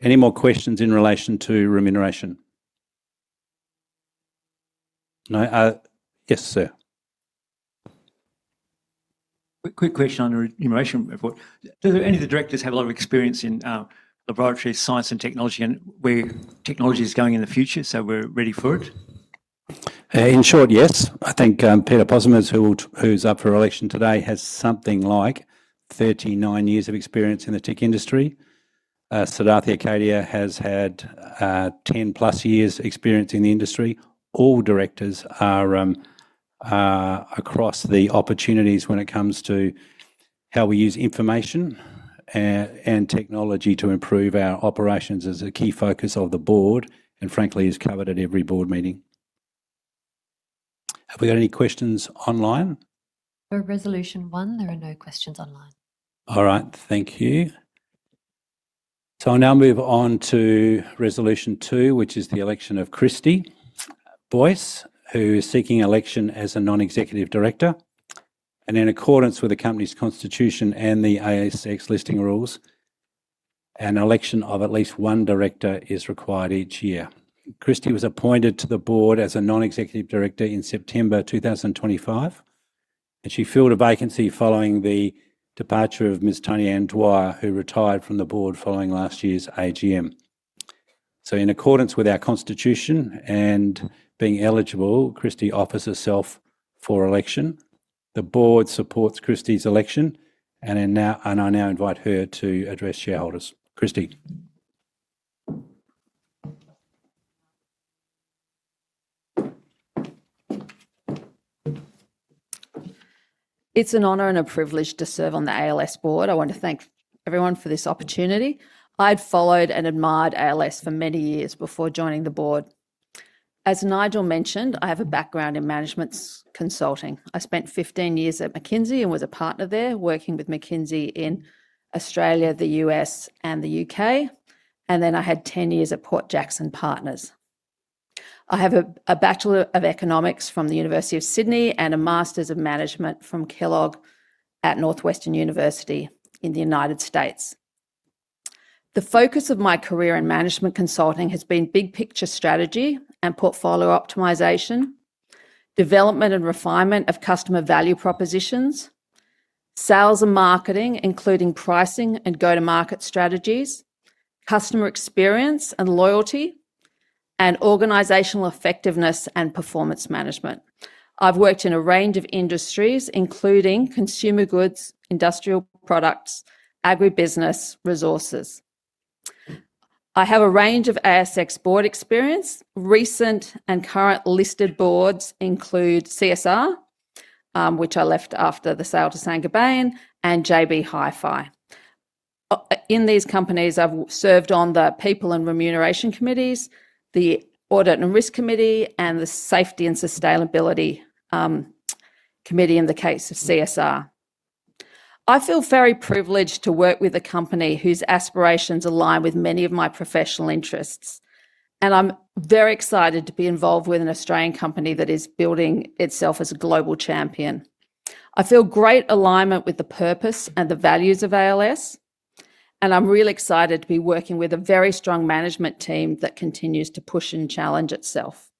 Any more questions in relation to remuneration? No? Yes, sir. Quick question on the remuneration report. Do any of the directors have a lot of experience in laboratory science and technology and where technology is going in the future, we're ready for it? In short, yes. I think Peter Possemiers, who's up for election today, has something like 39 years of experience in the TIC industry. Siddhartha Kadia has had 10+ years experience in the industry. All directors are across the opportunities when it comes to how we use information and technology to improve our operations as a key focus of the board, frankly, is covered at every board meeting. Have we got any questions online? For resolution one, there are no questions online. All right. Thank you. I'll now move on to resolution 2, which is the election of Christy Boyce, who is seeking election as a Non-Executive Director. In accordance with the company's constitution and the ASX Listing Rules, an election of at least one director is required each year. Christy was appointed to the Board as a Non-Executive Director in September 2025, and she filled a vacancy following the departure of Ms. Toni Dwyer, who retired from the Board following last year's AGM. In accordance with our constitution and being eligible, Christy offers herself for election. The Board supports Christy's election, and I now invite her to address shareholders. Christy, It's an honor and a privilege to serve on the ALS Board. I want to thank everyone for this opportunity. I'd followed and admired ALS for many years before joining the Board. As Nigel mentioned, I have a background in management consulting. I spent 15 years at McKinsey and was a partner there working with McKinsey in Australia, the U.S., and the U.K. I had 10 years at Port Jackson Partners. I have a Bachelor of Economics from the University of Sydney and a Master's of Management from Kellogg at Northwestern University in the U.S. The focus of my career in management consulting has been big-picture strategy and portfolio optimization, development and refinement of customer value propositions, sales and marketing, including pricing and go-to-market strategies, customer experience and loyalty, and organizational effectiveness and performance management. I've worked in a range of industries, including consumer goods, industrial products, agribusiness, resources. I have a range of ASX Board experience. Recent and current listed boards include CSR, which I left after the sale to Saint-Gobain, and JB Hi-Fi. In these companies, I've served on the People and Remuneration Committees, the Audit and Risk Committee, and the Safety and Sustainability Committee in the case of CSR. I feel very privileged to work with a company whose aspirations align with many of my professional interests. I'm very excited to be involved with an Australian company that is building itself as a global champion. I feel great alignment with the purpose and the values of ALS. I'm really excited to be working with a very strong management team that continues to push and challenge itself.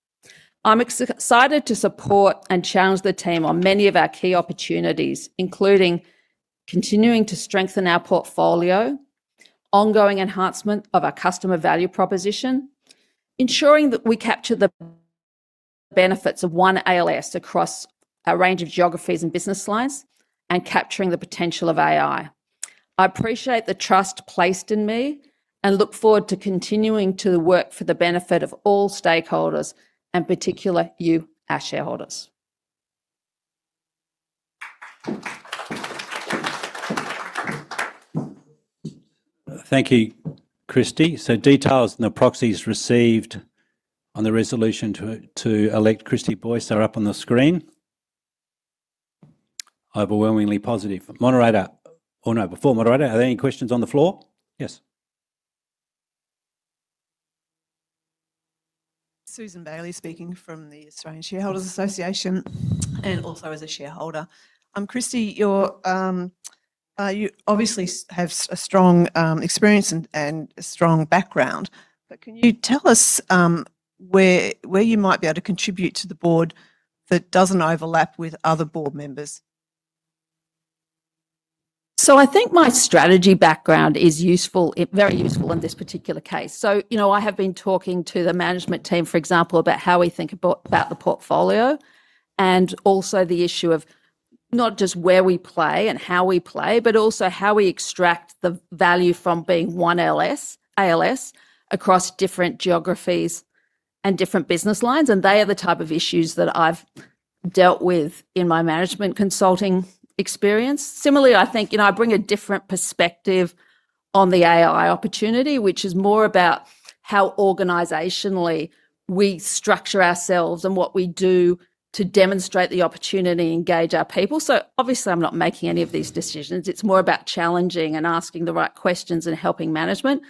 I'm excited to support and challenge the team on many of our key opportunities, including continuing to strengthen our portfolio, ongoing enhancement of our customer value proposition, ensuring that we capture the benefits of One ALS across a range of geographies and business lines, and capturing the potential of AI. I appreciate the trust placed in me and look forward to continuing to work for the benefit of all stakeholders, and particular you, our shareholders. Thank you, Christy. Details on the proxies received on the resolution to elect Christy Boyce are up on the screen. Overwhelmingly positive. Before moderator, are there any questions on the floor? Yes. Susan Bailey speaking from the Australian Shareholders' Association and also as a shareholder. Christy, you obviously have a strong experience and a strong background. Can you tell us where you might be able to contribute to the board that doesn't overlap with other board members? I think my strategy background is very useful in this particular case. I have been talking to the management team, for example, about how we think about the portfolio and also the issue of not just where we play and how we play, but also how we extract the value from being One ALS across different geographies and different business lines, and they are the type of issues that I've dealt with in my management consulting experience. Similarly, I think I bring a different perspective on the AI opportunity, which is more about how organizationally we structure ourselves and what we do to demonstrate the opportunity and engage our people. Obviously, I'm not making any of these decisions. It's more about challenging and asking the right questions and helping management.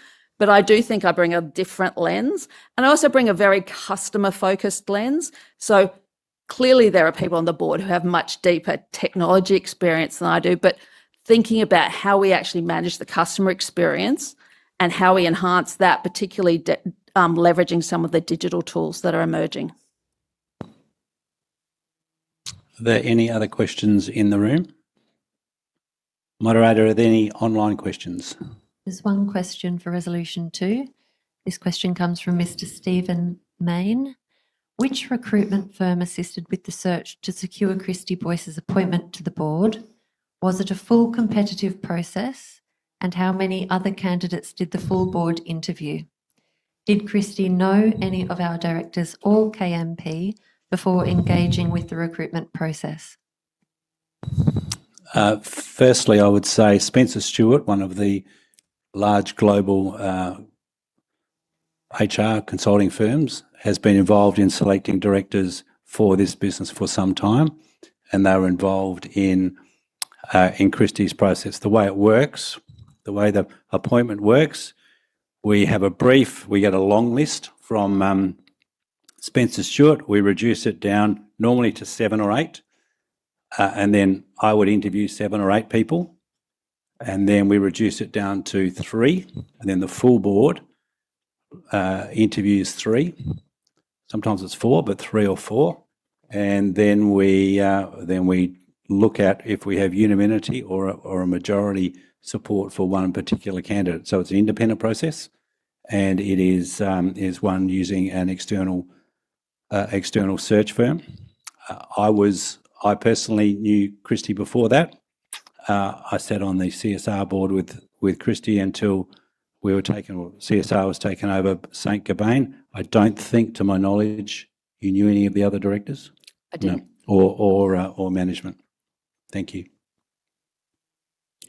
I do think I bring a different lens, and I also bring a very customer-focused lens. Clearly, there are people on the board who have much deeper technology experience than I do, but thinking about how we actually manage the customer experience and how we enhance that, particularly leveraging some of the digital tools that are emerging. Are there any other questions in the room? Moderator, are there any online questions? There's one question for resolution two. This question comes from Mr. Stephen Mayne. Which recruitment firm assisted with the search to secure Christy Boyce's appointment to the board? Was it a full competitive process? How many other candidates did the full board interview? Did Christy know any of our directors or KMP before engaging with the recruitment process? Firstly, I would say Spencer Stuart, one of the large global HR consulting firms, has been involved in selecting directors for this business for some time, and they were involved in Christy's process. The way it works, the way the appointment works, we have a brief, we get a long list from Spencer Stuart. We reduce it down normally to seven or eight, I would interview seven or eight people, we reduce it down to three, the full board interviews three. Sometimes it's four, but three or four. We look at if we have unanimity or a majority support for one particular candidate. It's an independent process, and it is one using an external search firm. I personally knew Christy before that. I sat on the CSR board with Christy until CSR was taken over Saint-Gobain. I don't think, to my knowledge, you knew any of the other directors? I didn't. No. Or management. Thank you.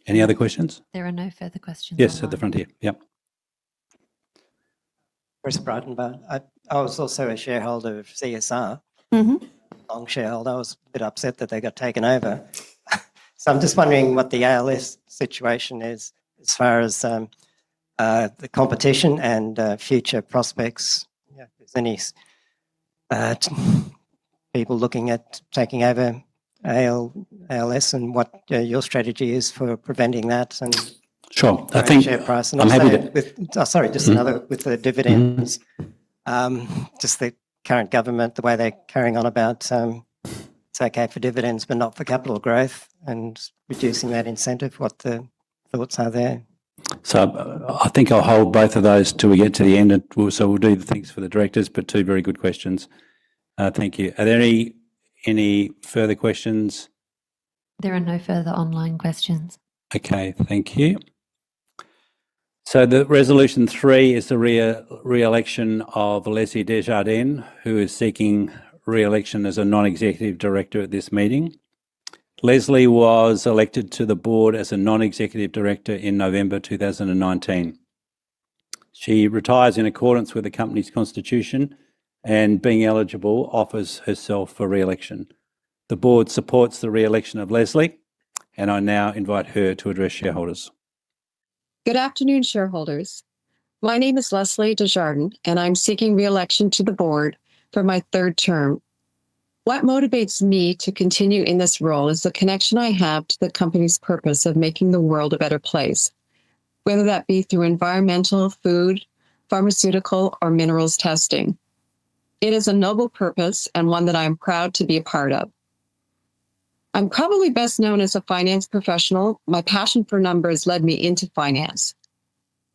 Any other questions? There are no further questions. Yes, at the front here. Yep. Chris Brydenbaum. I was also a shareholder of CSR. Long shareholder. I was a bit upset that they got taken over. I'm just wondering what the ALS situation is as far as the competition and future prospects. Yeah. If there's any people looking at taking over ALS, and what your strategy is for preventing that. Sure. The share price and also Sorry, just another with the dividends. Just the current government, the way they're carrying on about it's okay for dividends but not for capital growth and reducing that incentive, what the thoughts are there. I think I'll hold both of those till we get to the end, and so we'll do the things for the directors, but two very good questions. Thank you. Are there any further questions? There are no further online questions. Okay, thank you. The resolution 3 is the re-election of Leslie Desjardins, who is seeking re-election as a Non-Executive Director at this meeting. Leslie was elected to the board as a Non-Executive Director in November 2019. She retires in accordance with the company's constitution, and being eligible, offers herself for re-election. The board supports the re-election of Leslie, and I now invite her to address shareholders. Good afternoon, shareholders. My name is Leslie Desjardins, and I'm seeking re-election to the board for my third term. What motivates me to continue in this role is the connection I have to the company's purpose of making the world a better place, whether that be through environmental, food, pharmaceutical, or minerals testing. It is a noble purpose and one that I'm proud to be a part of. I'm probably best known as a finance professional. My passion for numbers led me into finance.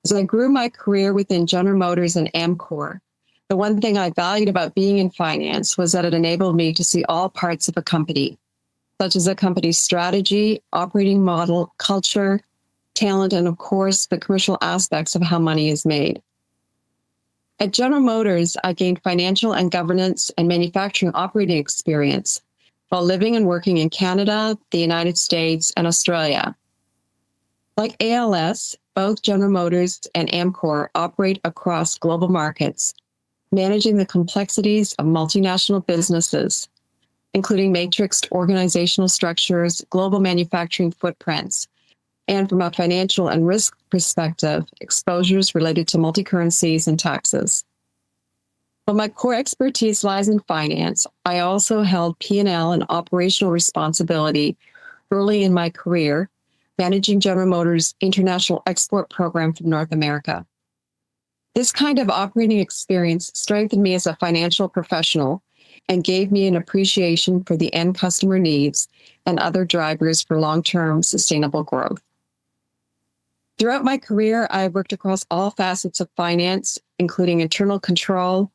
As I grew my career within General Motors and Amcor, the one thing I valued about being in finance was that it enabled me to see all parts of a company, such as a company's strategy, operating model, culture, talent, and of course, the crucial aspects of how money is made. At General Motors, I gained financial and governance and manufacturing operating experience while living and working in Canada, the United States, and Australia. Like ALS, both General Motors and Amcor operate across global markets, managing the complexities of multinational businesses, including matrixed organizational structures, global manufacturing footprints, and from a financial and risk perspective, exposures related to multi-currencies and taxes. While my core expertise lies in finance, I also held P&L and operational responsibility early in my career, managing General Motors' International Export Program for North America. This kind of operating experience strengthened me as a financial professional and gave me an appreciation for the end customer needs and other drivers for long-term sustainable growth. Throughout my career, I've worked across all facets of finance, including internal control,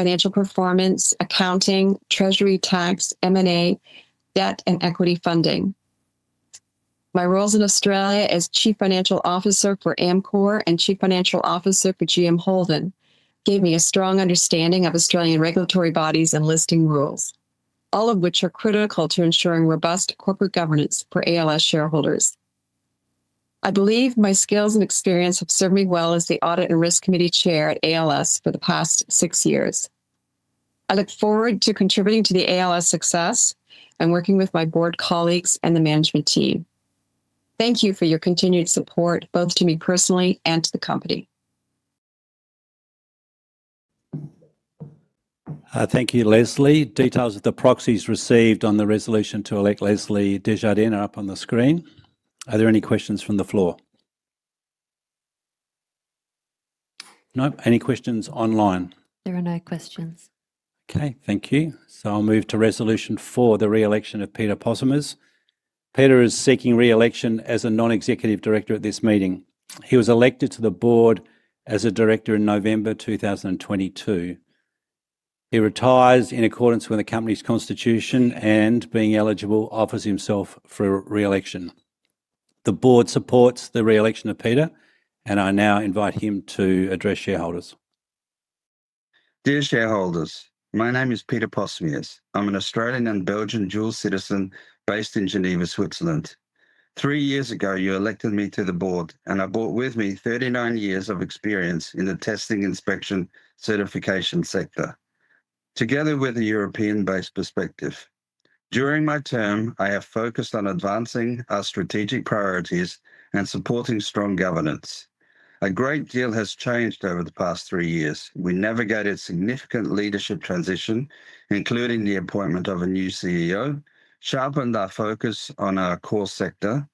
financial performance, accounting, treasury tax, M&A, debt and equity funding. My roles in Australia as Chief Financial Officer for Amcor and Chief Financial Officer for GM Holden gave me a strong understanding of Australian regulatory bodies and ASX Listing Rules, all of which are critical to ensuring robust corporate governance for ALS shareholders. I believe my skills and experience have served me well as the Audit and Risk Committee Chair at ALS for the past six years. I look forward to contributing to the ALS success and working with my board colleagues and the management team. Thank you for your continued support, both to me personally and to the company. Thank you, Leslie. Details of the proxies received on the resolution to elect Leslie Desjardins are up on the screen. Are there any questions from the floor? No. Any questions online? There are no questions. Okay, thank you. I'll move to resolution four, the re-election of Peter Possemiers. Peter is seeking re-election as a Non-Executive Director at this meeting. He was elected to the board as a director in November 2022. He retires in accordance with the company's constitution, and being eligible, offers himself for re-election. The board supports the re-election of Peter. I now invite him to address shareholders. Dear shareholders, my name is Peter Possemiers. I'm an Australian and Belgian dual citizen based in Geneva, Switzerland. Three years ago, you elected me to the board, and I brought with me 39 years of experience in the Testing, Inspection, and Certification sector, together with a European-based perspective. During my term, I have focused on advancing our strategic priorities and supporting strong governance. A great deal has changed over the past three years. We navigated significant leadership transition, including the appointment of a new Chief Executive Officer, sharpened our focus on our core sector,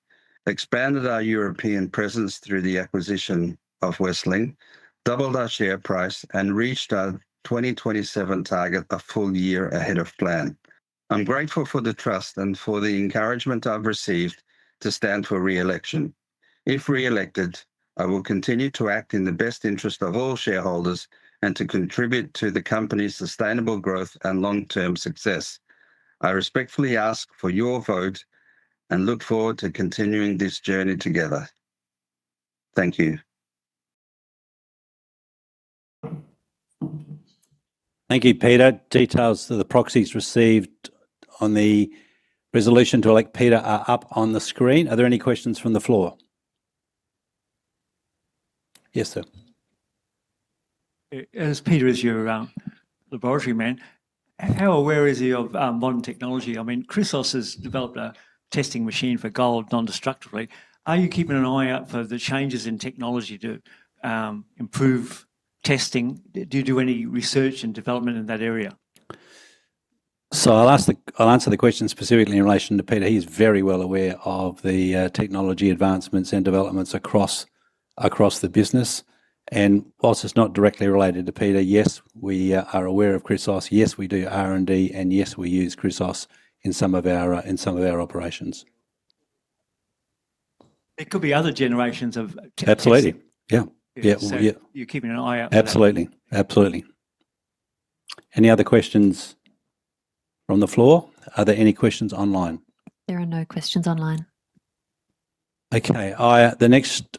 expanded our European presence through the acquisition of Wessling, doubled our share price, and reached our 2027 target a full year ahead of plan. I'm grateful for the trust and for the encouragement I've received to stand for re-election. If re-elected, I will continue to act in the best interest of all shareholders and to contribute to the company's sustainable growth and long-term success. I respectfully ask for your vote and look forward to continuing this journey together. Thank you. Thank you, Peter. Details of the proxies received on the resolution to elect Peter are up on the screen. Are there any questions from the floor? Yes, sir. As Peter is your laboratory man, how aware is he of modern technology? I mean, Chrysos has developed a testing machine for gold non-destructively. Are you keeping an eye out for the changes in technology to improve testing? Do you do any research and development in that area? I'll answer the question specifically in relation to Peter. He's very well aware of the technology advancements and developments across the business. Whilst it's not directly related to Peter, yes, we are aware of Chrysos, yes, we do R&D, and yes, we use Chrysos in some of our operations. It could be other generations of testing. Absolutely. Yeah. You're keeping an eye out for that. Absolutely. Any other questions from the floor? Are there any questions online? There are no questions online. Okay. The next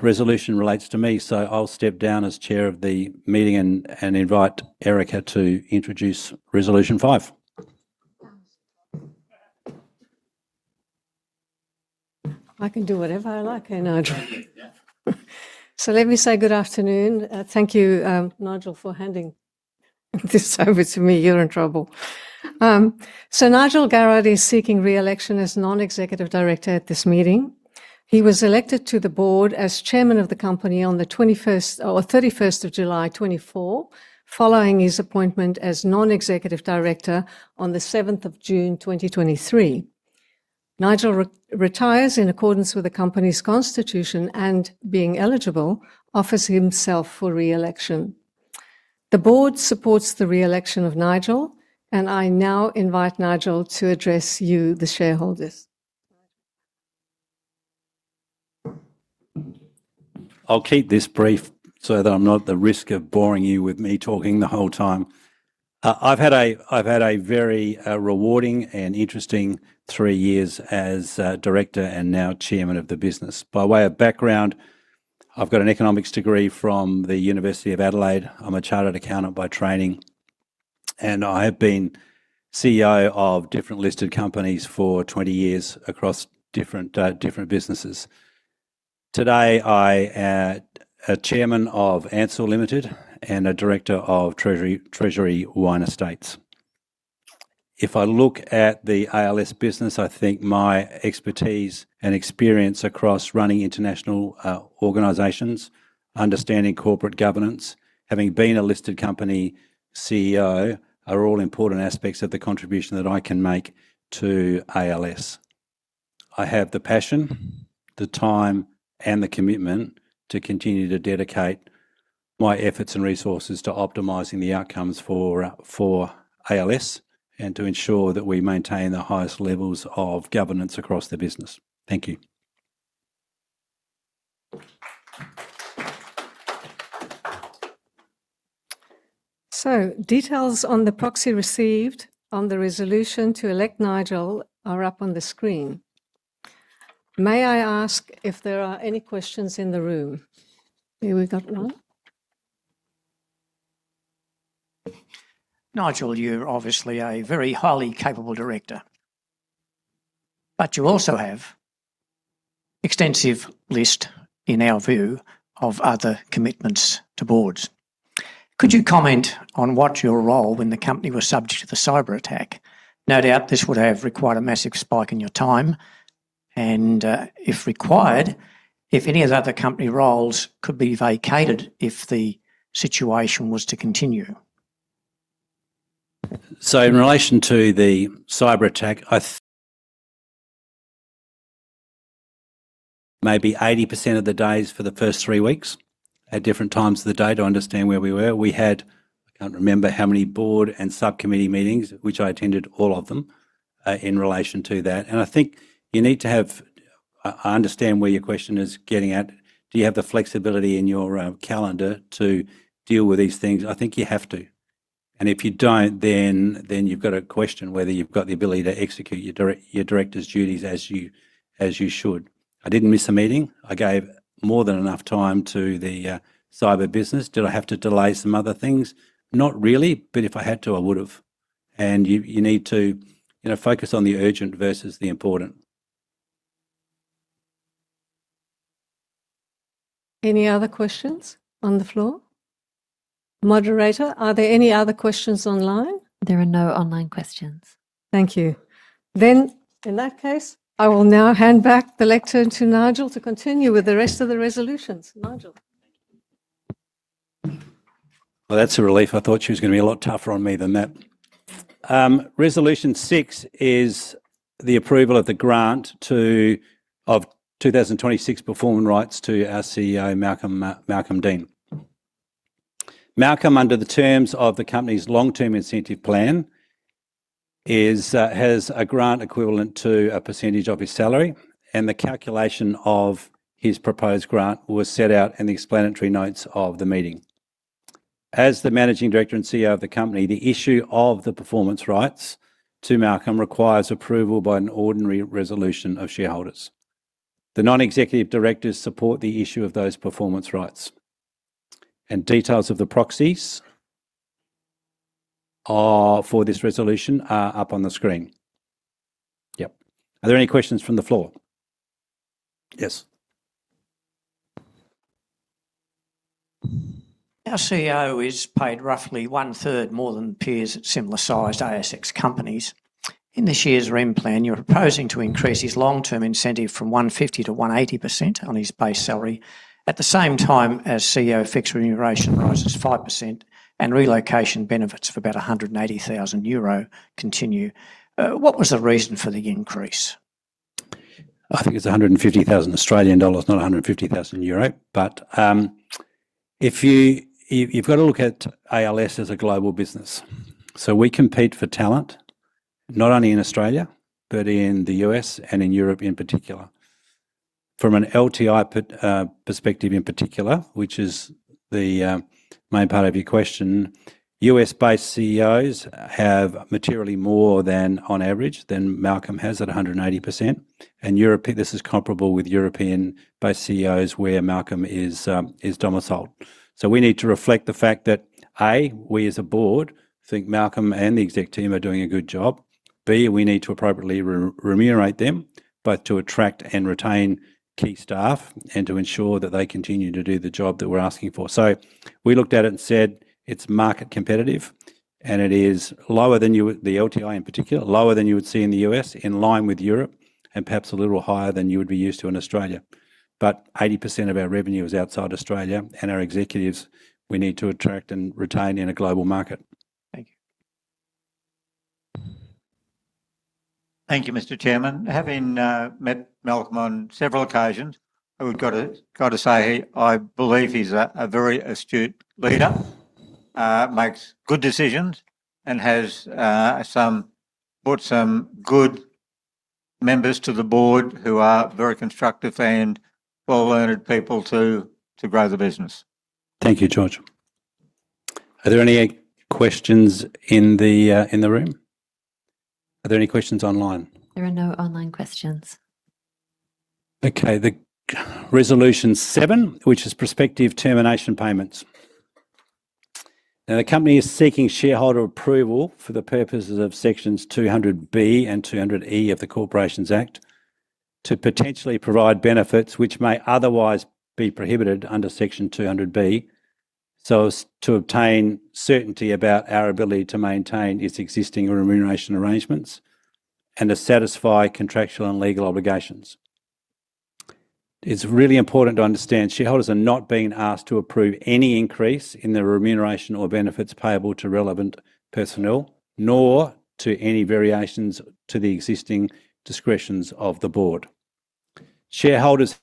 resolution relates to me, so I'll step down as Chair of the meeting and invite Erica to introduce Resolution Five. I can do whatever I like, eh, Nigel? Let me say good afternoon. Thank you, Nigel, for handing this over to me. You're in trouble. Nigel Garrard is seeking re-election as Non-Executive Director at this meeting. He was elected to the Board as Chairman of the company on the 31st of July 2024, following his appointment as non-executive director on the 7th of June 2023. Nigel retires in accordance with the company's constitution and, being eligible, offers himself for re-election. The board supports the re-election of Nigel, I now invite Nigel to address you, the shareholders. I'll keep this brief so that I'm not at the risk of boring you with me talking the whole time. I've had a very rewarding and interesting three years as director and now chairman of the business. By way of background, I've got an economics degree from the University of Adelaide. I'm a chartered accountant by training, and I have been Chief Executive Officer of different listed companies for 20 years across different businesses. Today, I am Chairman of Ansell Limited and a Director of Treasury Wine Estates. If I look at the ALS business, I think my expertise and experience across running international organizations, understanding corporate governance, having been a listed company CEO, are all important aspects of the contribution that I can make to ALS. I have the passion, the time, and the commitment to continue to dedicate my efforts and resources to optimizing the outcomes for ALS and to ensure that we maintain the highest levels of governance across the business. Thank you. Details on the proxy received on the resolution to elect Nigel are up on the screen. May I ask if there are any questions in the room? Here, we've got one. Nigel, you're obviously a very highly capable director, but you also have extensive list, in our view, of other commitments to boards. Could you comment on what your role when the company was subject to the cyber attack? No doubt this would have required a massive spike in your time and, if required, if any of the other company roles could be vacated if the situation was to continue. In relation to the cyber attack, maybe 80% of the days for the first three weeks at different times of the day to understand where we were. We had, I can't remember how many board and subcommittee meetings, which I attended all of them, in relation to that. I understand where your question is getting at. Do you have the flexibility in your calendar to deal with these things? I think you have to. If you don't, you've got to question whether you've got the ability to execute your director's duties as you should. I didn't miss a meeting. I gave more than enough time to the cyber business. Did I have to delay some other things? Not really, but if I had to, I would've. You need to focus on the urgent versus the important. Any other questions on the floor? Moderator, are there any other questions online? There are no online questions. Thank you. In that case, I will now hand back the lectern to Nigel to continue with the rest of the resolutions. Nigel. Well, that's a relief. I thought she was going to be a lot tougher on me than that. Resolution 6 is the approval of the grant of 2026 performance rights to our Chief Executive Officer, Malcolm Deane. Malcolm, under the terms of the company's long-term incentive plan, has a grant equivalent to a percentage of his salary, and the calculation of his proposed grant was set out in the explanatory notes of the meeting. As the Managing Director and CEO of the company, the issue of the performance rights to Malcolm requires approval by an ordinary resolution of shareholders. The Non-Executive Directors support the issue of those performance rights. Details of the proxies for this resolution are up on the screen. Yep. Are there any questions from the floor? Yes. Our CEO is paid roughly 1/3 more than peers at similar-sized ASX companies. In this year's REM plan, you're proposing to increase his long-term incentive from 150%-180% on his base salary at the same time as CEO fixed remuneration rises 5%. Relocation benefits of about 180,000 euro continue. What was the reason for the increase? I think it's 150,000 Australian dollars, not 150,000 euro. You've got to look at ALS as a global business. We compete for talent, not only in Australia, but in the U.S. and in Europe in particular. From an LTI perspective in particular, which is the main part of your question, U.S.-based CEOs have materially more than, on average, than Malcolm has at 180%. Europe, this is comparable with European-based CEOs where Malcolm is domiciled. We need to reflect the fact that, A, we as a board think Malcolm and the exec team are doing a good job. B, we need to appropriately remunerate them, both to attract and retain key staff, and to ensure that they continue to do the job that we're asking for. We looked at it and said it's market competitive, and it is lower than you, the LTI in particular, lower than you would see in the U.S., in line with Europe, and perhaps a little higher than you would be used to in Australia. 80% of our revenue is outside Australia. Our executives, we need to attract and retain in a global market. Thank you. Thank you, Mr. Chairman. Having met Malcolm on several occasions, I've got to say I believe he's a very astute leader. Makes good decisions and has brought some good members to the Board who are very constructive and well-learned people to grow the business. Thank you, George. Are there any questions in the room? Are there any questions online? There are no online questions. Okay. The resolution 7, which is prospective termination payments. The company is seeking shareholder approval for the purposes of Sections 200B and 200E of the Corporations Act to potentially provide benefits which may otherwise be prohibited under Section 200B, so as to obtain certainty about our ability to maintain its existing remuneration arrangements and to satisfy contractual and legal obligations. It's really important to understand shareholders are not being asked to approve any increase in the remuneration or benefits payable to relevant personnel, nor to any variations to the existing discretions of the board. Shareholders,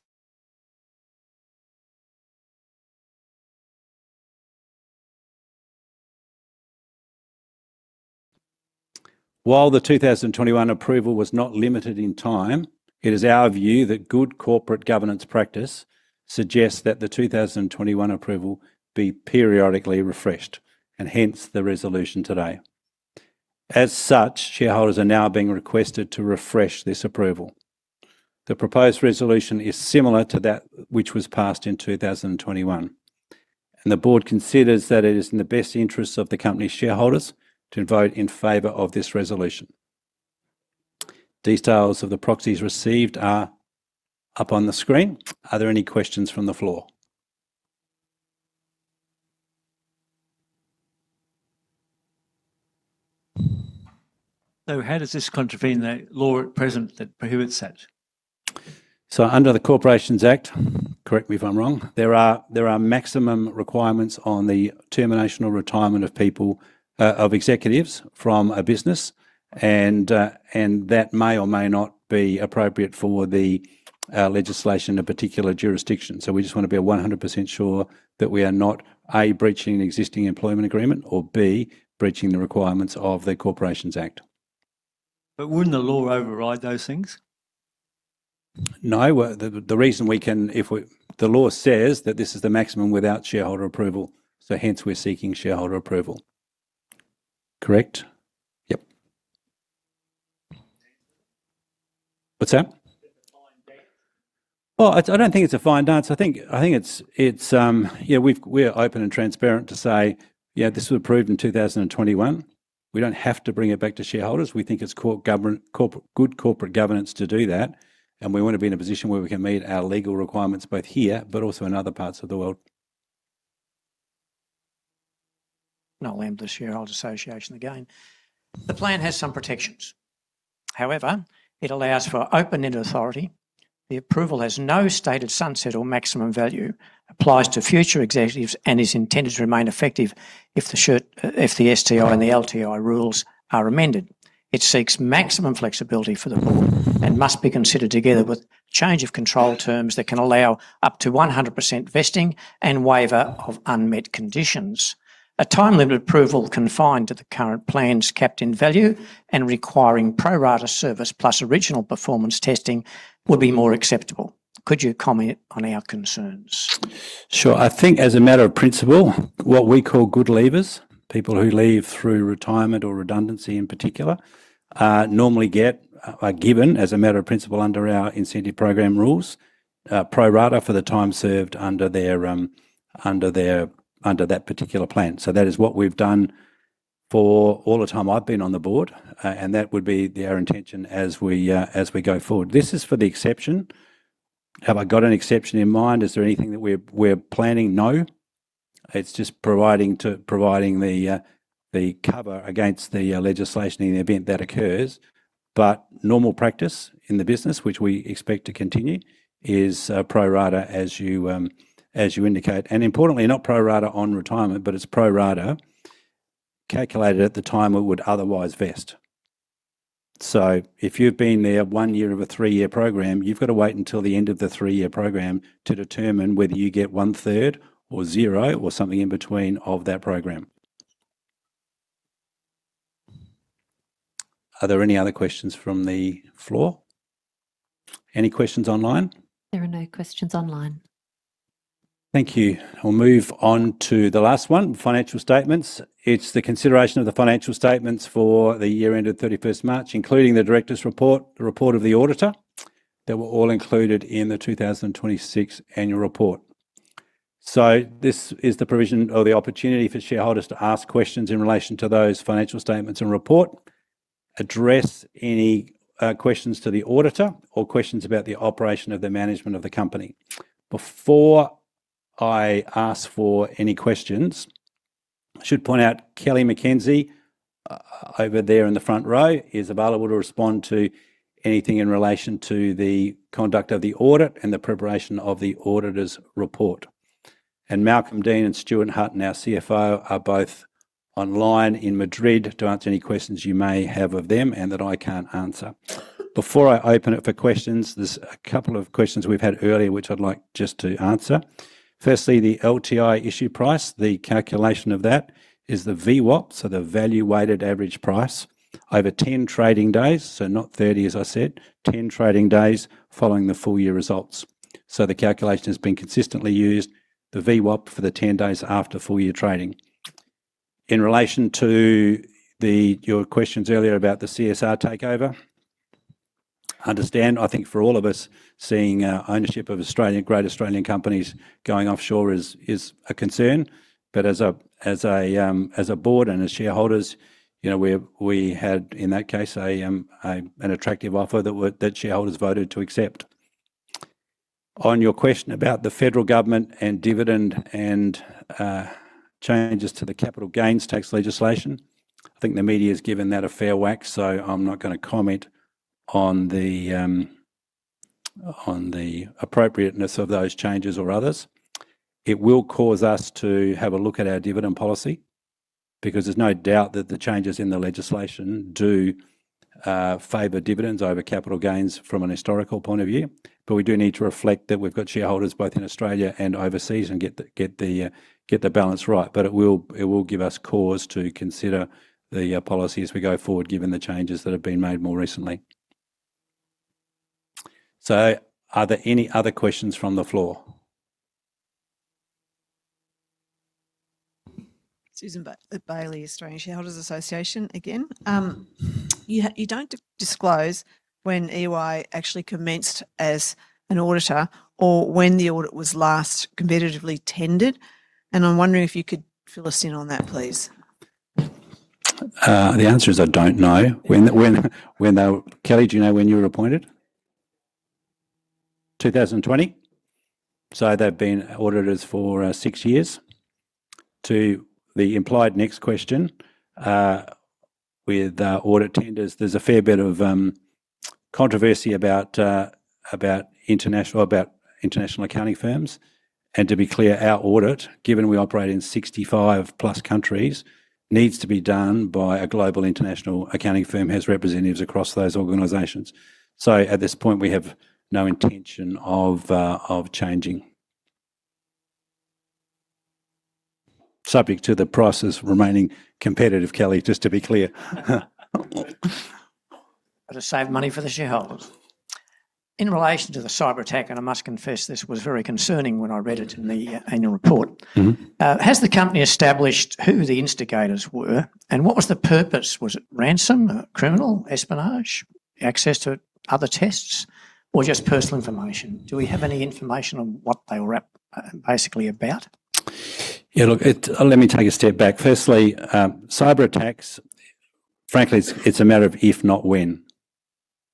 while the 2021 approval was not limited in time, it is our view that good corporate governance practice suggests that the 2021 approval be periodically refreshed, hence the resolution today. Shareholders are now being requested to refresh this approval. The proposed resolution is similar to that which was passed in 2021. The board considers that it is in the best interests of the company shareholders to vote in favor of this resolution. Details of the proxies received are up on the screen. Are there any questions from the floor? How does this contravene the law at present that prohibits such? Under the Corporations Act, correct me if I'm wrong, there are maximum requirements on the termination or retirement of people, of executives from a business, and that may or may not be appropriate for the legislation of particular jurisdictions. We just want to be 100% sure that we are not, A, breaching an existing employment agreement, or B, breaching the requirements of the Corporations Act. Wouldn't the law override those things? No. The law says that this is the maximum without shareholder approval, so hence we're seeking shareholder approval. Correct? Yep. What's that? Is it a fine dance? Well, I don't think it's a fine dance. I think we're open and transparent to say, this was approved in 2021. We don't have to bring it back to shareholders. We think it's good corporate governance to do that, and we want to be in a position where we can meet our legal requirements both here but also in other parts of the world. Not Australian Shareholders' Association again. The plan has some protections. However, it allows for open-ended authority. The approval has no stated sunset or maximum value, applies to future executives, and is intended to remain effective if the STI and the LTI rules are amended. It seeks maximum flexibility for the board and must be considered together with change of control terms that can allow up to 100% vesting and waiver of unmet conditions. A time-limited approval confined to the current plan's capped end value and requiring pro rata service plus original performance testing would be more acceptable. Could you comment on our concerns? Sure. I think as a matter of principle, what we call good leavers, people who leave through retirement or redundancy in particular, are given, as a matter of principle under our incentive program rules pro rata for the time served under that particular plan. That is what we've done for all the time I've been on the board, and that would be our intention as we go forward. This is for the exception. Have I got an exception in mind? Is there anything that we're planning? No. It's just providing the cover against the legislation in the event that occurs. Normal practice in the business, which we expect to continue, is pro rata as you indicate. Importantly, not pro rata on retirement, but it's pro rata calculated at the time it would otherwise vest. If you've been there one year of a three-year program, you've got to wait until the end of the three-year program to determine whether you get 1/3 or zero or something in between of that program. Are there any other questions from the floor? Any questions online? There are no questions online. Thank you. I'll move on to the last one, financial statements. It's the consideration of the financial statements for the year ended 31st March, including the director's report, the report of the auditor, that were all included in the 2026 annual report. This is the provision or the opportunity for shareholders to ask questions in relation to those financial statements and report, address any questions to the auditor or questions about the operation of the management of the company. Before I ask for any questions, I should point out Kelly McKenzie, over there in the front row, is available to respond to anything in relation to the conduct of the audit and the preparation of the auditor's report. Malcolm Deane and Stuart Hutton, our Chief Financial Officer, are both online in Madrid to answer any questions you may have of them and that I can't answer. Before I open it for questions, there's a couple of questions we've had earlier, which I'd like just to answer. Firstly, the LTI issue price, the calculation of that is the VWAP, so the value-weighted average price, over 10 trading days, so not 30 as I said, 10 trading days following the full year results. The calculation has been consistently used, the VWAP for the 10 days after full year trading. In relation to your questions earlier about the CSR takeover, understand, I think for all of us, seeing ownership of great Australian companies going offshore is a concern. As a board and as shareholders, we had, in that case, an attractive offer that shareholders voted to accept. On your question about the federal government and dividend and changes to the capital gains tax legislation, I think the media's given that a fair whack, so I'm not going to comment on the appropriateness of those changes or others. It will cause us to have a look at our dividend policy, because there's no doubt that the changes in the legislation do favor dividends over capital gains from an historical point of view. We do need to reflect that we've got shareholders both in Australia and overseas and get the balance right. It will give us cause to consider the policy as we go forward, given the changes that have been made more recently. Are there any other questions from the floor? Susan Bailey, Australian Shareholders' Association again. You don't disclose when EY actually commenced as an auditor or when the audit was last competitively tendered, and I'm wondering if you could fill us in on that, please. The answer is, I don't know. Kelly, do you know when you were appointed? 2020. They've been auditors for six years. To the implied next question, with audit tenders, there's a fair bit of controversy about international accounting firms. To be clear, our audit, given we operate in 65+ countries, needs to be done by a global international accounting firm, has representatives across those organizations. At this point, we have no intention of changing. Subject to the prices remaining competitive, Kelly, just to be clear. Got to save money for the shareholders. In relation to the cyberattack, I must confess this was very concerning when I read it in the annual report. Has the company established who the instigators were, and what was the purpose? Was it ransom, criminal espionage, access to other tests, or just personal information? Do we have any information on what they were basically about? Look, let me take a step back. Firstly, cyberattacks, frankly, it's a matter of if not when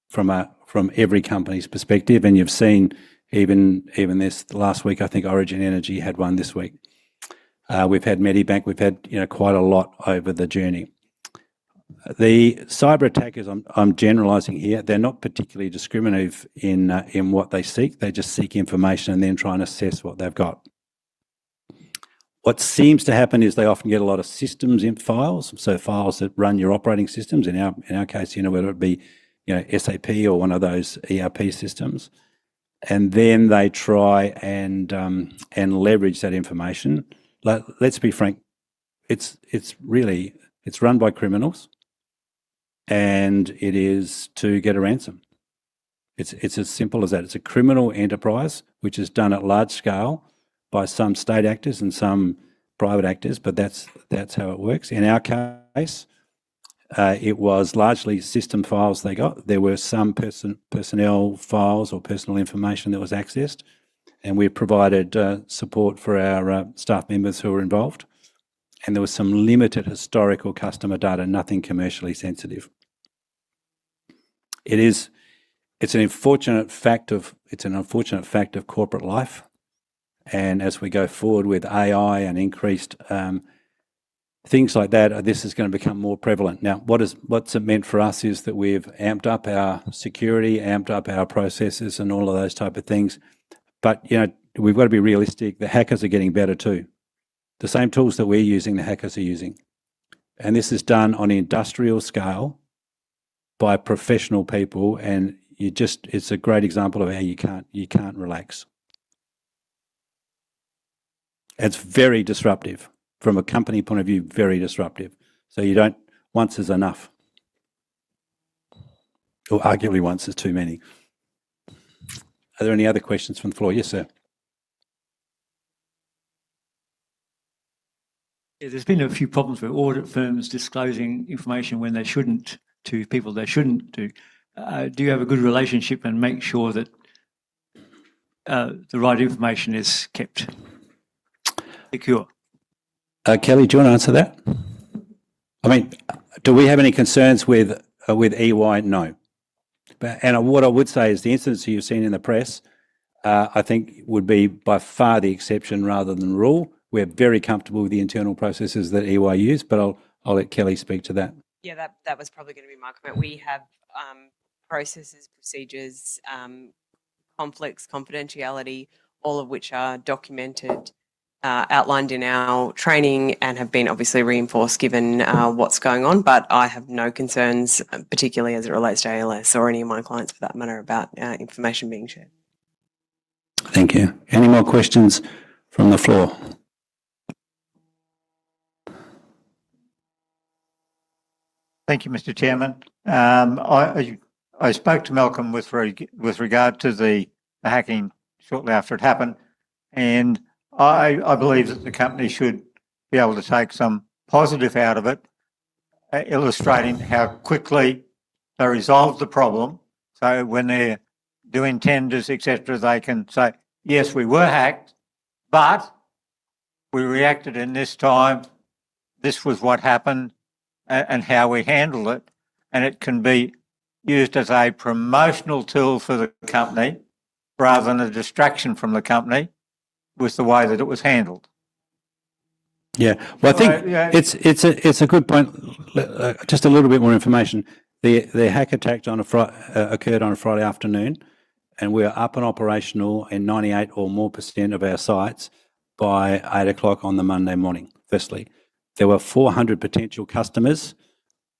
from every company's perspective. You've seen even this last week, I think Origin Energy had one this week. We've had Medibank. We've had quite a lot over the journey. The cyberattackers, I'm generalizing here, they're not particularly discriminative in what they seek. They just seek information and then try and assess what they've got. What seems to happen is they often get a lot of systems in files, so files that run your operating systems. In our case, whether it be SAP or one of those ERP systems, then they try and leverage that information. Let's be frank, it's run by criminals, and it is to get a ransom. It's as simple as that. It's a criminal enterprise, which is done at large scale by some state actors and some private actors, but that's how it works. In our case, it was largely system files they got. There were some personnel files or personal information that was accessed, and we provided support for our staff members who were involved. There was some limited historical customer data, nothing commercially sensitive. It's an unfortunate fact of corporate life, and as we go forward with AI and increased things like that, this is going to become more prevalent. Now, what's it meant for us is that we've amped up our security, amped up our processes, and all of those type of things. We've got to be realistic. The hackers are getting better, too. The same tools that we're using, the hackers are using, and this is done on industrial scale by professional people, and it's a great example of how you can't relax. It's very disruptive. From a company point of view, very disruptive. Once is enough. Arguably, once is too many. Are there any other questions from the floor? Yes, sir. There's been a few problems with audit firms disclosing information when they shouldn't to people they shouldn't do. Do you have a good relationship and make sure that the right information is kept? Thank you. Kelly, do you want to answer that? Do we have any concerns with EY? No. What I would say is the incidents you've seen in the press, I think would be by far the exception rather than the rule. We're very comfortable with the internal processes that EY use, but I'll let Kelly speak to that. Yeah, that was probably going to be my comment. We have processes, procedures, conflicts, confidentiality, all of which are documented, outlined in our training, and have been obviously reinforced given what's going on. I have no concerns, particularly as it relates to ALS or any of my clients for that matter, about information being shared. Thank you. Any more questions from the floor? Thank you, Mr. Chairman. I spoke to Malcolm with regard to the hacking shortly after it happened, I believe that the company should be able to take some positive out of it, illustrating how quickly they resolved the problem. When they're doing tenders, et cetera, they can say, "Yes, we were hacked, but we reacted in this time. This was what happened and how we handled it." It can be used as a promotional tool for the company rather than a distraction from the company with the way that it was handled. Yeah. Well, I think it's a good point. Just a little bit more information. The hack attack occurred on a Friday afternoon, we were up and operational in 98% or more of our sites by 8:00 AM on the Monday morning, firstly. There were 400 potential customers.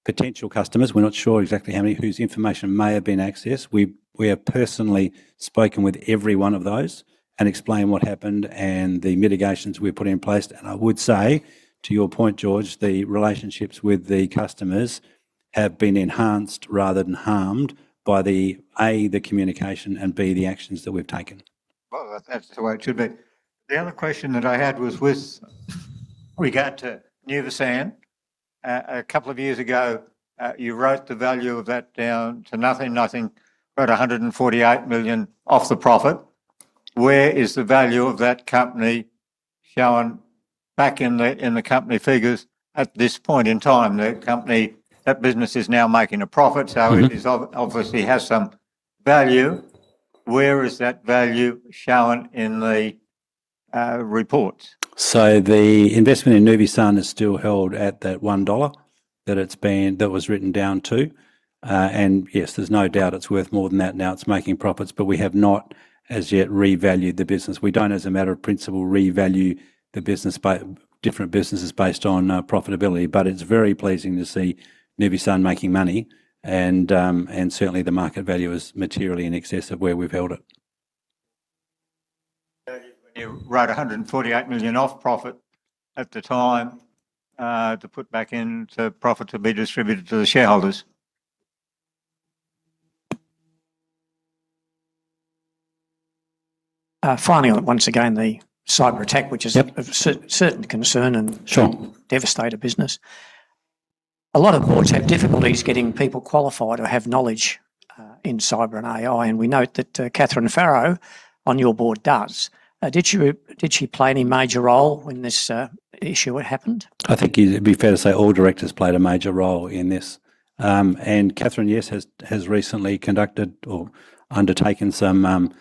Potential customers, we're not sure exactly how many, whose information may have been accessed. We have personally spoken with every one of those and explained what happened and the mitigations we put in place. I would say, to your point, George, the relationships with the customers have been enhanced rather than harmed by the, A, the communication, and B, the actions that we've taken. Well, that's the way it should be. The other question that I had was with regard to Nuvisan. A couple of years ago, you wrote the value of that down to nothing. I think you wrote 148 million off the profit. Where is the value of that company shown back in the company figures at this point in time? That business is now making a profit, It obviously has some value. Where is that value shown in the reports? The investment in Nuvisan is still held at that 1 dollar that was written down to. Yes, there's no doubt it's worth more than that now it's making profits, we have not as yet revalued the business. We don't, as a matter of principle, revalue different businesses based on profitability. It's very pleasing to see Nuvisan making money, and certainly the market value is materially in excess of where we've held it. You wrote 148 million off profit at the time, to put back into profit to be distributed to the shareholders. Finally, once again, the cyberattack. Yep Of certain concern. Sure Can devastate a business. A lot of boards have difficulties getting people qualified or have knowledge in cyber and AI, and we note that Catharine Farrow on your board does. Did she play any major role when this issue happened? I think it'd be fair to say all directors played a major role in this. Catharine, yes, has recently conducted or undertaken some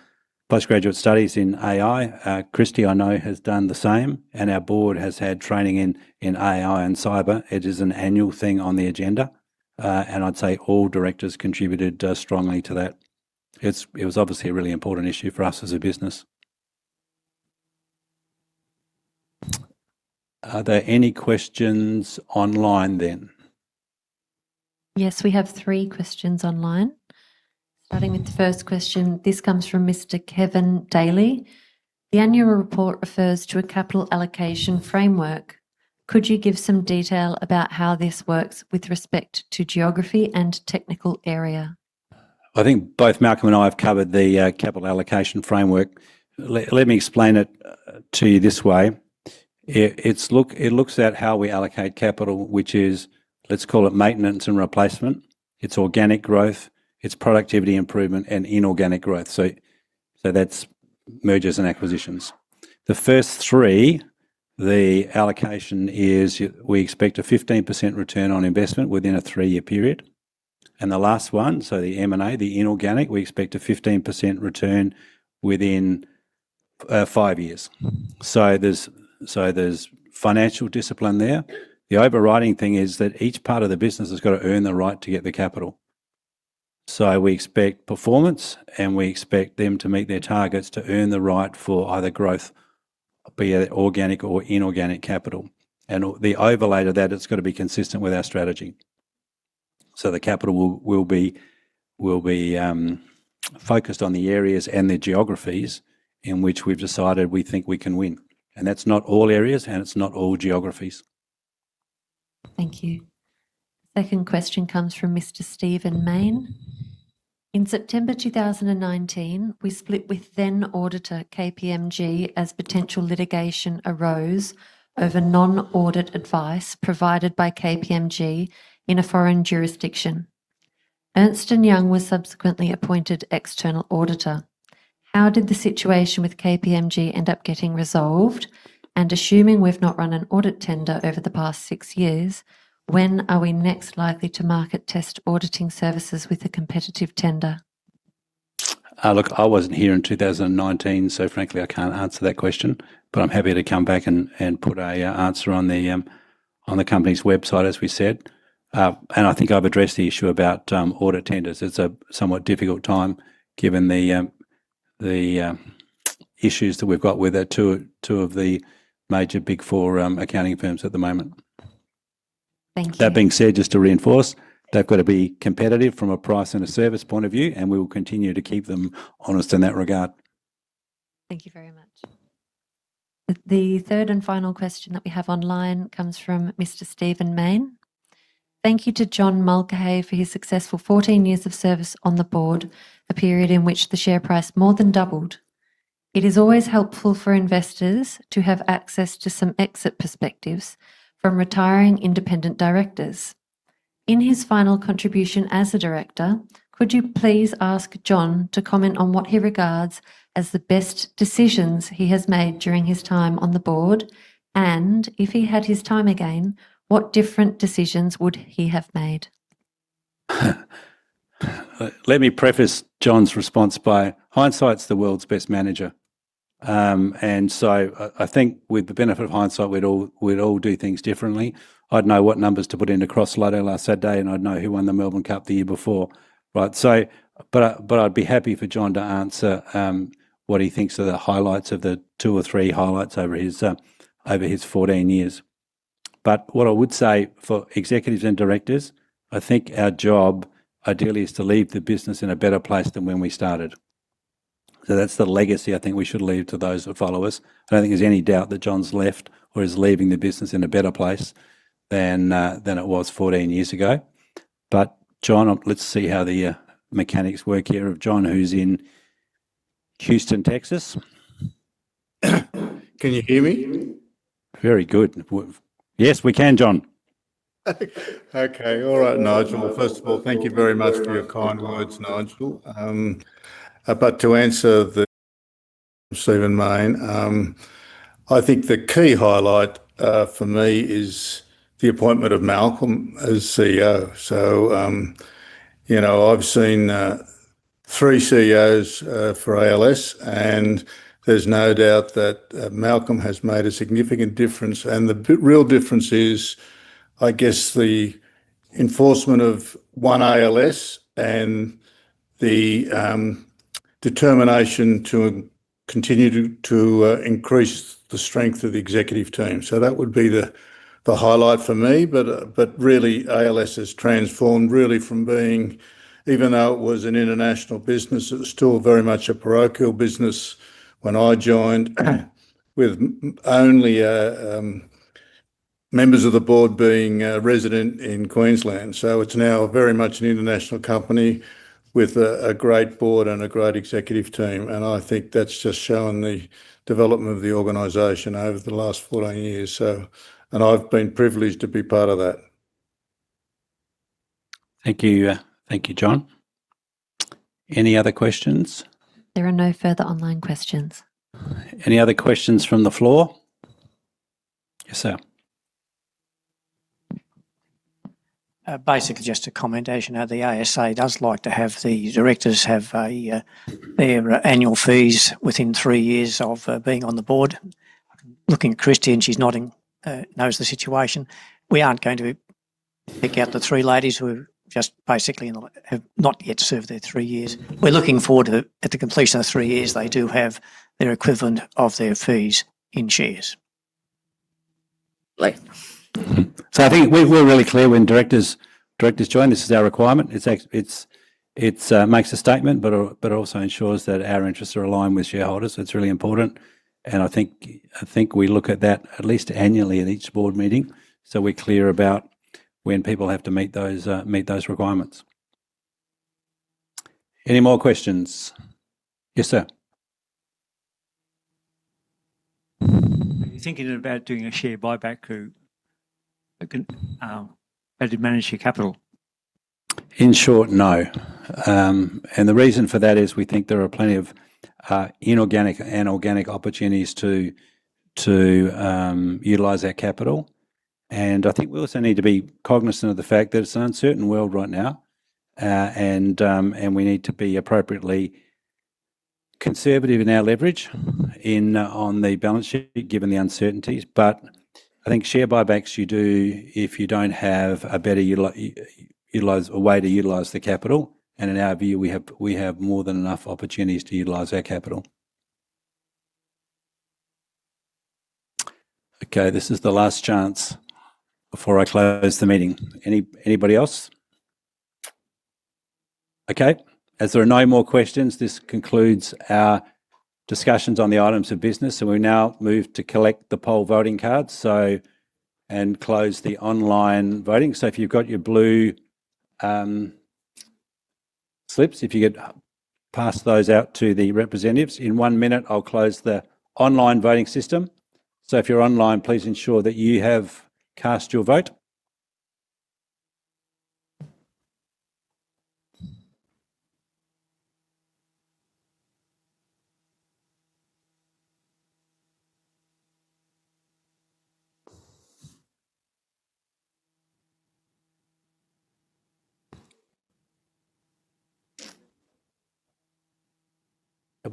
postgraduate studies in AI. Christy, I know, has done the same, and our board has had training in AI and cyber. It is an annual thing on the agenda, and I'd say all directors contributed strongly to that. It was obviously a really important issue for us as a business. Are there any questions online then? Yes, we have three questions online. Starting with the first question, this comes from Mr. Kevin Daly. The annual report refers to a capital allocation framework. Could you give some detail about how this works with respect to geography and technical area? I think both Malcolm and I have covered the capital allocation framework. Let me explain it to you this way. It looks at how we allocate capital, which is, let's call it maintenance and replacement. It's organic growth, it's productivity improvement, and inorganic growth. That's mergers and acquisitions. The first three, the allocation is we expect a 15% return on investment within a three-year period. The last one, the M&A, the inorganic, we expect a 15% return within five years. There's financial discipline there. The overriding thing is that each part of the business has got to earn the right to get the capital. We expect performance, and we expect them to meet their targets to earn the right for either growth, be it organic or inorganic capital. The overlay to that, it's got to be consistent with our strategy. The capital will be focused on the areas and the geographies in which we've decided we think we can win. That's not all areas, and it's not all geographies. Thank you. Second question comes from Mr. Stephen Mayne. In September 2019, we split with then auditor KPMG as potential litigation arose over non-audit advice provided by KPMG in a foreign jurisdiction. Ernst & Young was subsequently appointed external auditor. How did the situation with KPMG end up getting resolved? Assuming we've not run an audit tender over the past six years, when are we next likely to market test auditing services with a competitive tender? Look, I wasn't here in 2019. Frankly, I can't answer that question. I'm happy to come back and put a answer on the company's website, as we said. I think I've addressed the issue about audit tenders. It's a somewhat difficult time given the issues that we've got with two of the major Big Four accounting firms at the moment. Thank you. That being said, just to reinforce, they've got to be competitive from a price and a service point of view, and we will continue to keep them honest in that regard. Thank you very much. The third and final question that we have online comes from Mr. Stephen Mayne. Thank you to John Mulcahy for his successful 14 years of service on the board, a period in which the share price more than doubled. It is always helpful for investors to have access to some exit perspectives from retiring independent directors. In his final contribution as a director, could you please ask John to comment on what he regards as the best decisions he has made during his time on the board? If he had his time again, what different decisions would he have made? Let me preface John's response by hindsight's the world's best manager. I think with the benefit of hindsight, we'd all do things differently. I'd know what numbers to put into Oz Lotto last Saturday, and I'd know who won the Melbourne Cup the year before, right? I'd be happy for John to answer what he thinks are the highlights of the two or three highlights over his 14 years. What I would say for executives and directors, I think our job ideally is to leave the business in a better place than when we started. That's the legacy I think we should leave to those that follow us. I don't think there's any doubt that John's left or is leaving the business in a better place than it was 14 years ago. John, let's see how the mechanics work here of John, who's in Houston, Texas. Can you hear me? Very good. Yes, we can, John. Okay. All right, Nigel. First of all, thank you very much for your kind words, Nigel. To answer Stephen Mayne, I think the key highlight for me is the appointment of Malcolm as Chief Executive Officer. I've seen three CEOs for ALS, and there's no doubt that Malcolm has made a significant difference. The real difference is, I guess, the enforcement of One ALS and the determination to continue to increase the strength of the executive team. That would be the highlight for me. Really, ALS has transformed really from being, even though it was an international business, it was still very much a parochial business when I joined with only members of the board being resident in Queensland. It's now very much an international company with a great board and a great executive team. I think that's just shown the development of the organization over the last 14 years. I've been privileged to be part of that. Thank you. Thank you, John. Any other questions? There are no further online questions. Any other questions from the floor? Yes, sir. Basically just a commendation. The ASA does like to have the directors have their annual fees within three years of being on the board. Looking at Christy, and she's nodding, knows the situation. We are not going to pick out the three ladies who just basically have not yet served their three years. We are looking forward to at the completion of three years, they do have their equivalent of their fees in shares. I think we are really clear when directors join, this is our requirement. It makes a statement, but also ensures that our interests are aligned with shareholders. It is really important, and I think we look at that at least annually at each board meeting so we are clear about when people have to meet those requirements. Any more questions? Yes, sir. Are you thinking about doing a share buyback to better manage your capital? In short, no. The reason for that is we think there are plenty of inorganic and organic opportunities to utilize our capital. I think we also need to be cognizant of the fact that it's an uncertain world right now, and we need to be appropriately conservative in our leverage on the balance sheet, given the uncertainties. I think share buybacks, you do if you don't have a better way to utilize the capital. In our view, we have more than enough opportunities to utilize our capital. Okay, this is the last chance before I close the meeting. Anybody else? Okay. As there are no more questions, this concludes our discussions on the items of business. We now move to collect the poll voting cards and close the online voting. If you've got your blue slips, if you could pass those out to the representatives. In one minute, I'll close the online voting system. If you're online,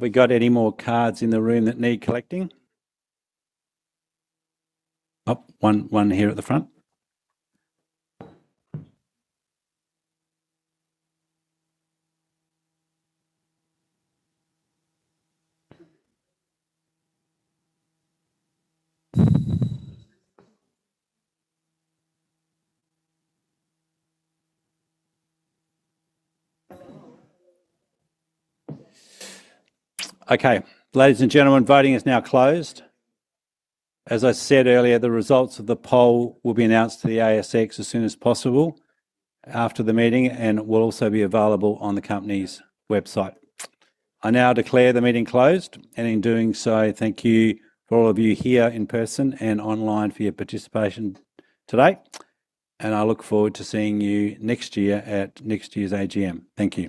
please ensure that you have cast your vote. Have we got any more cards in the room that need collecting? One here at the front. Okay. Ladies and gentlemen, voting is now closed. As I said earlier, the results of the poll will be announced to the ASX as soon as possible after the meeting, and will also be available on the company's website. I now declare the meeting closed, and in doing so, thank you for all of you here in person and online for your participation today, and I look forward to seeing you next year at next year's AGM. Thank you.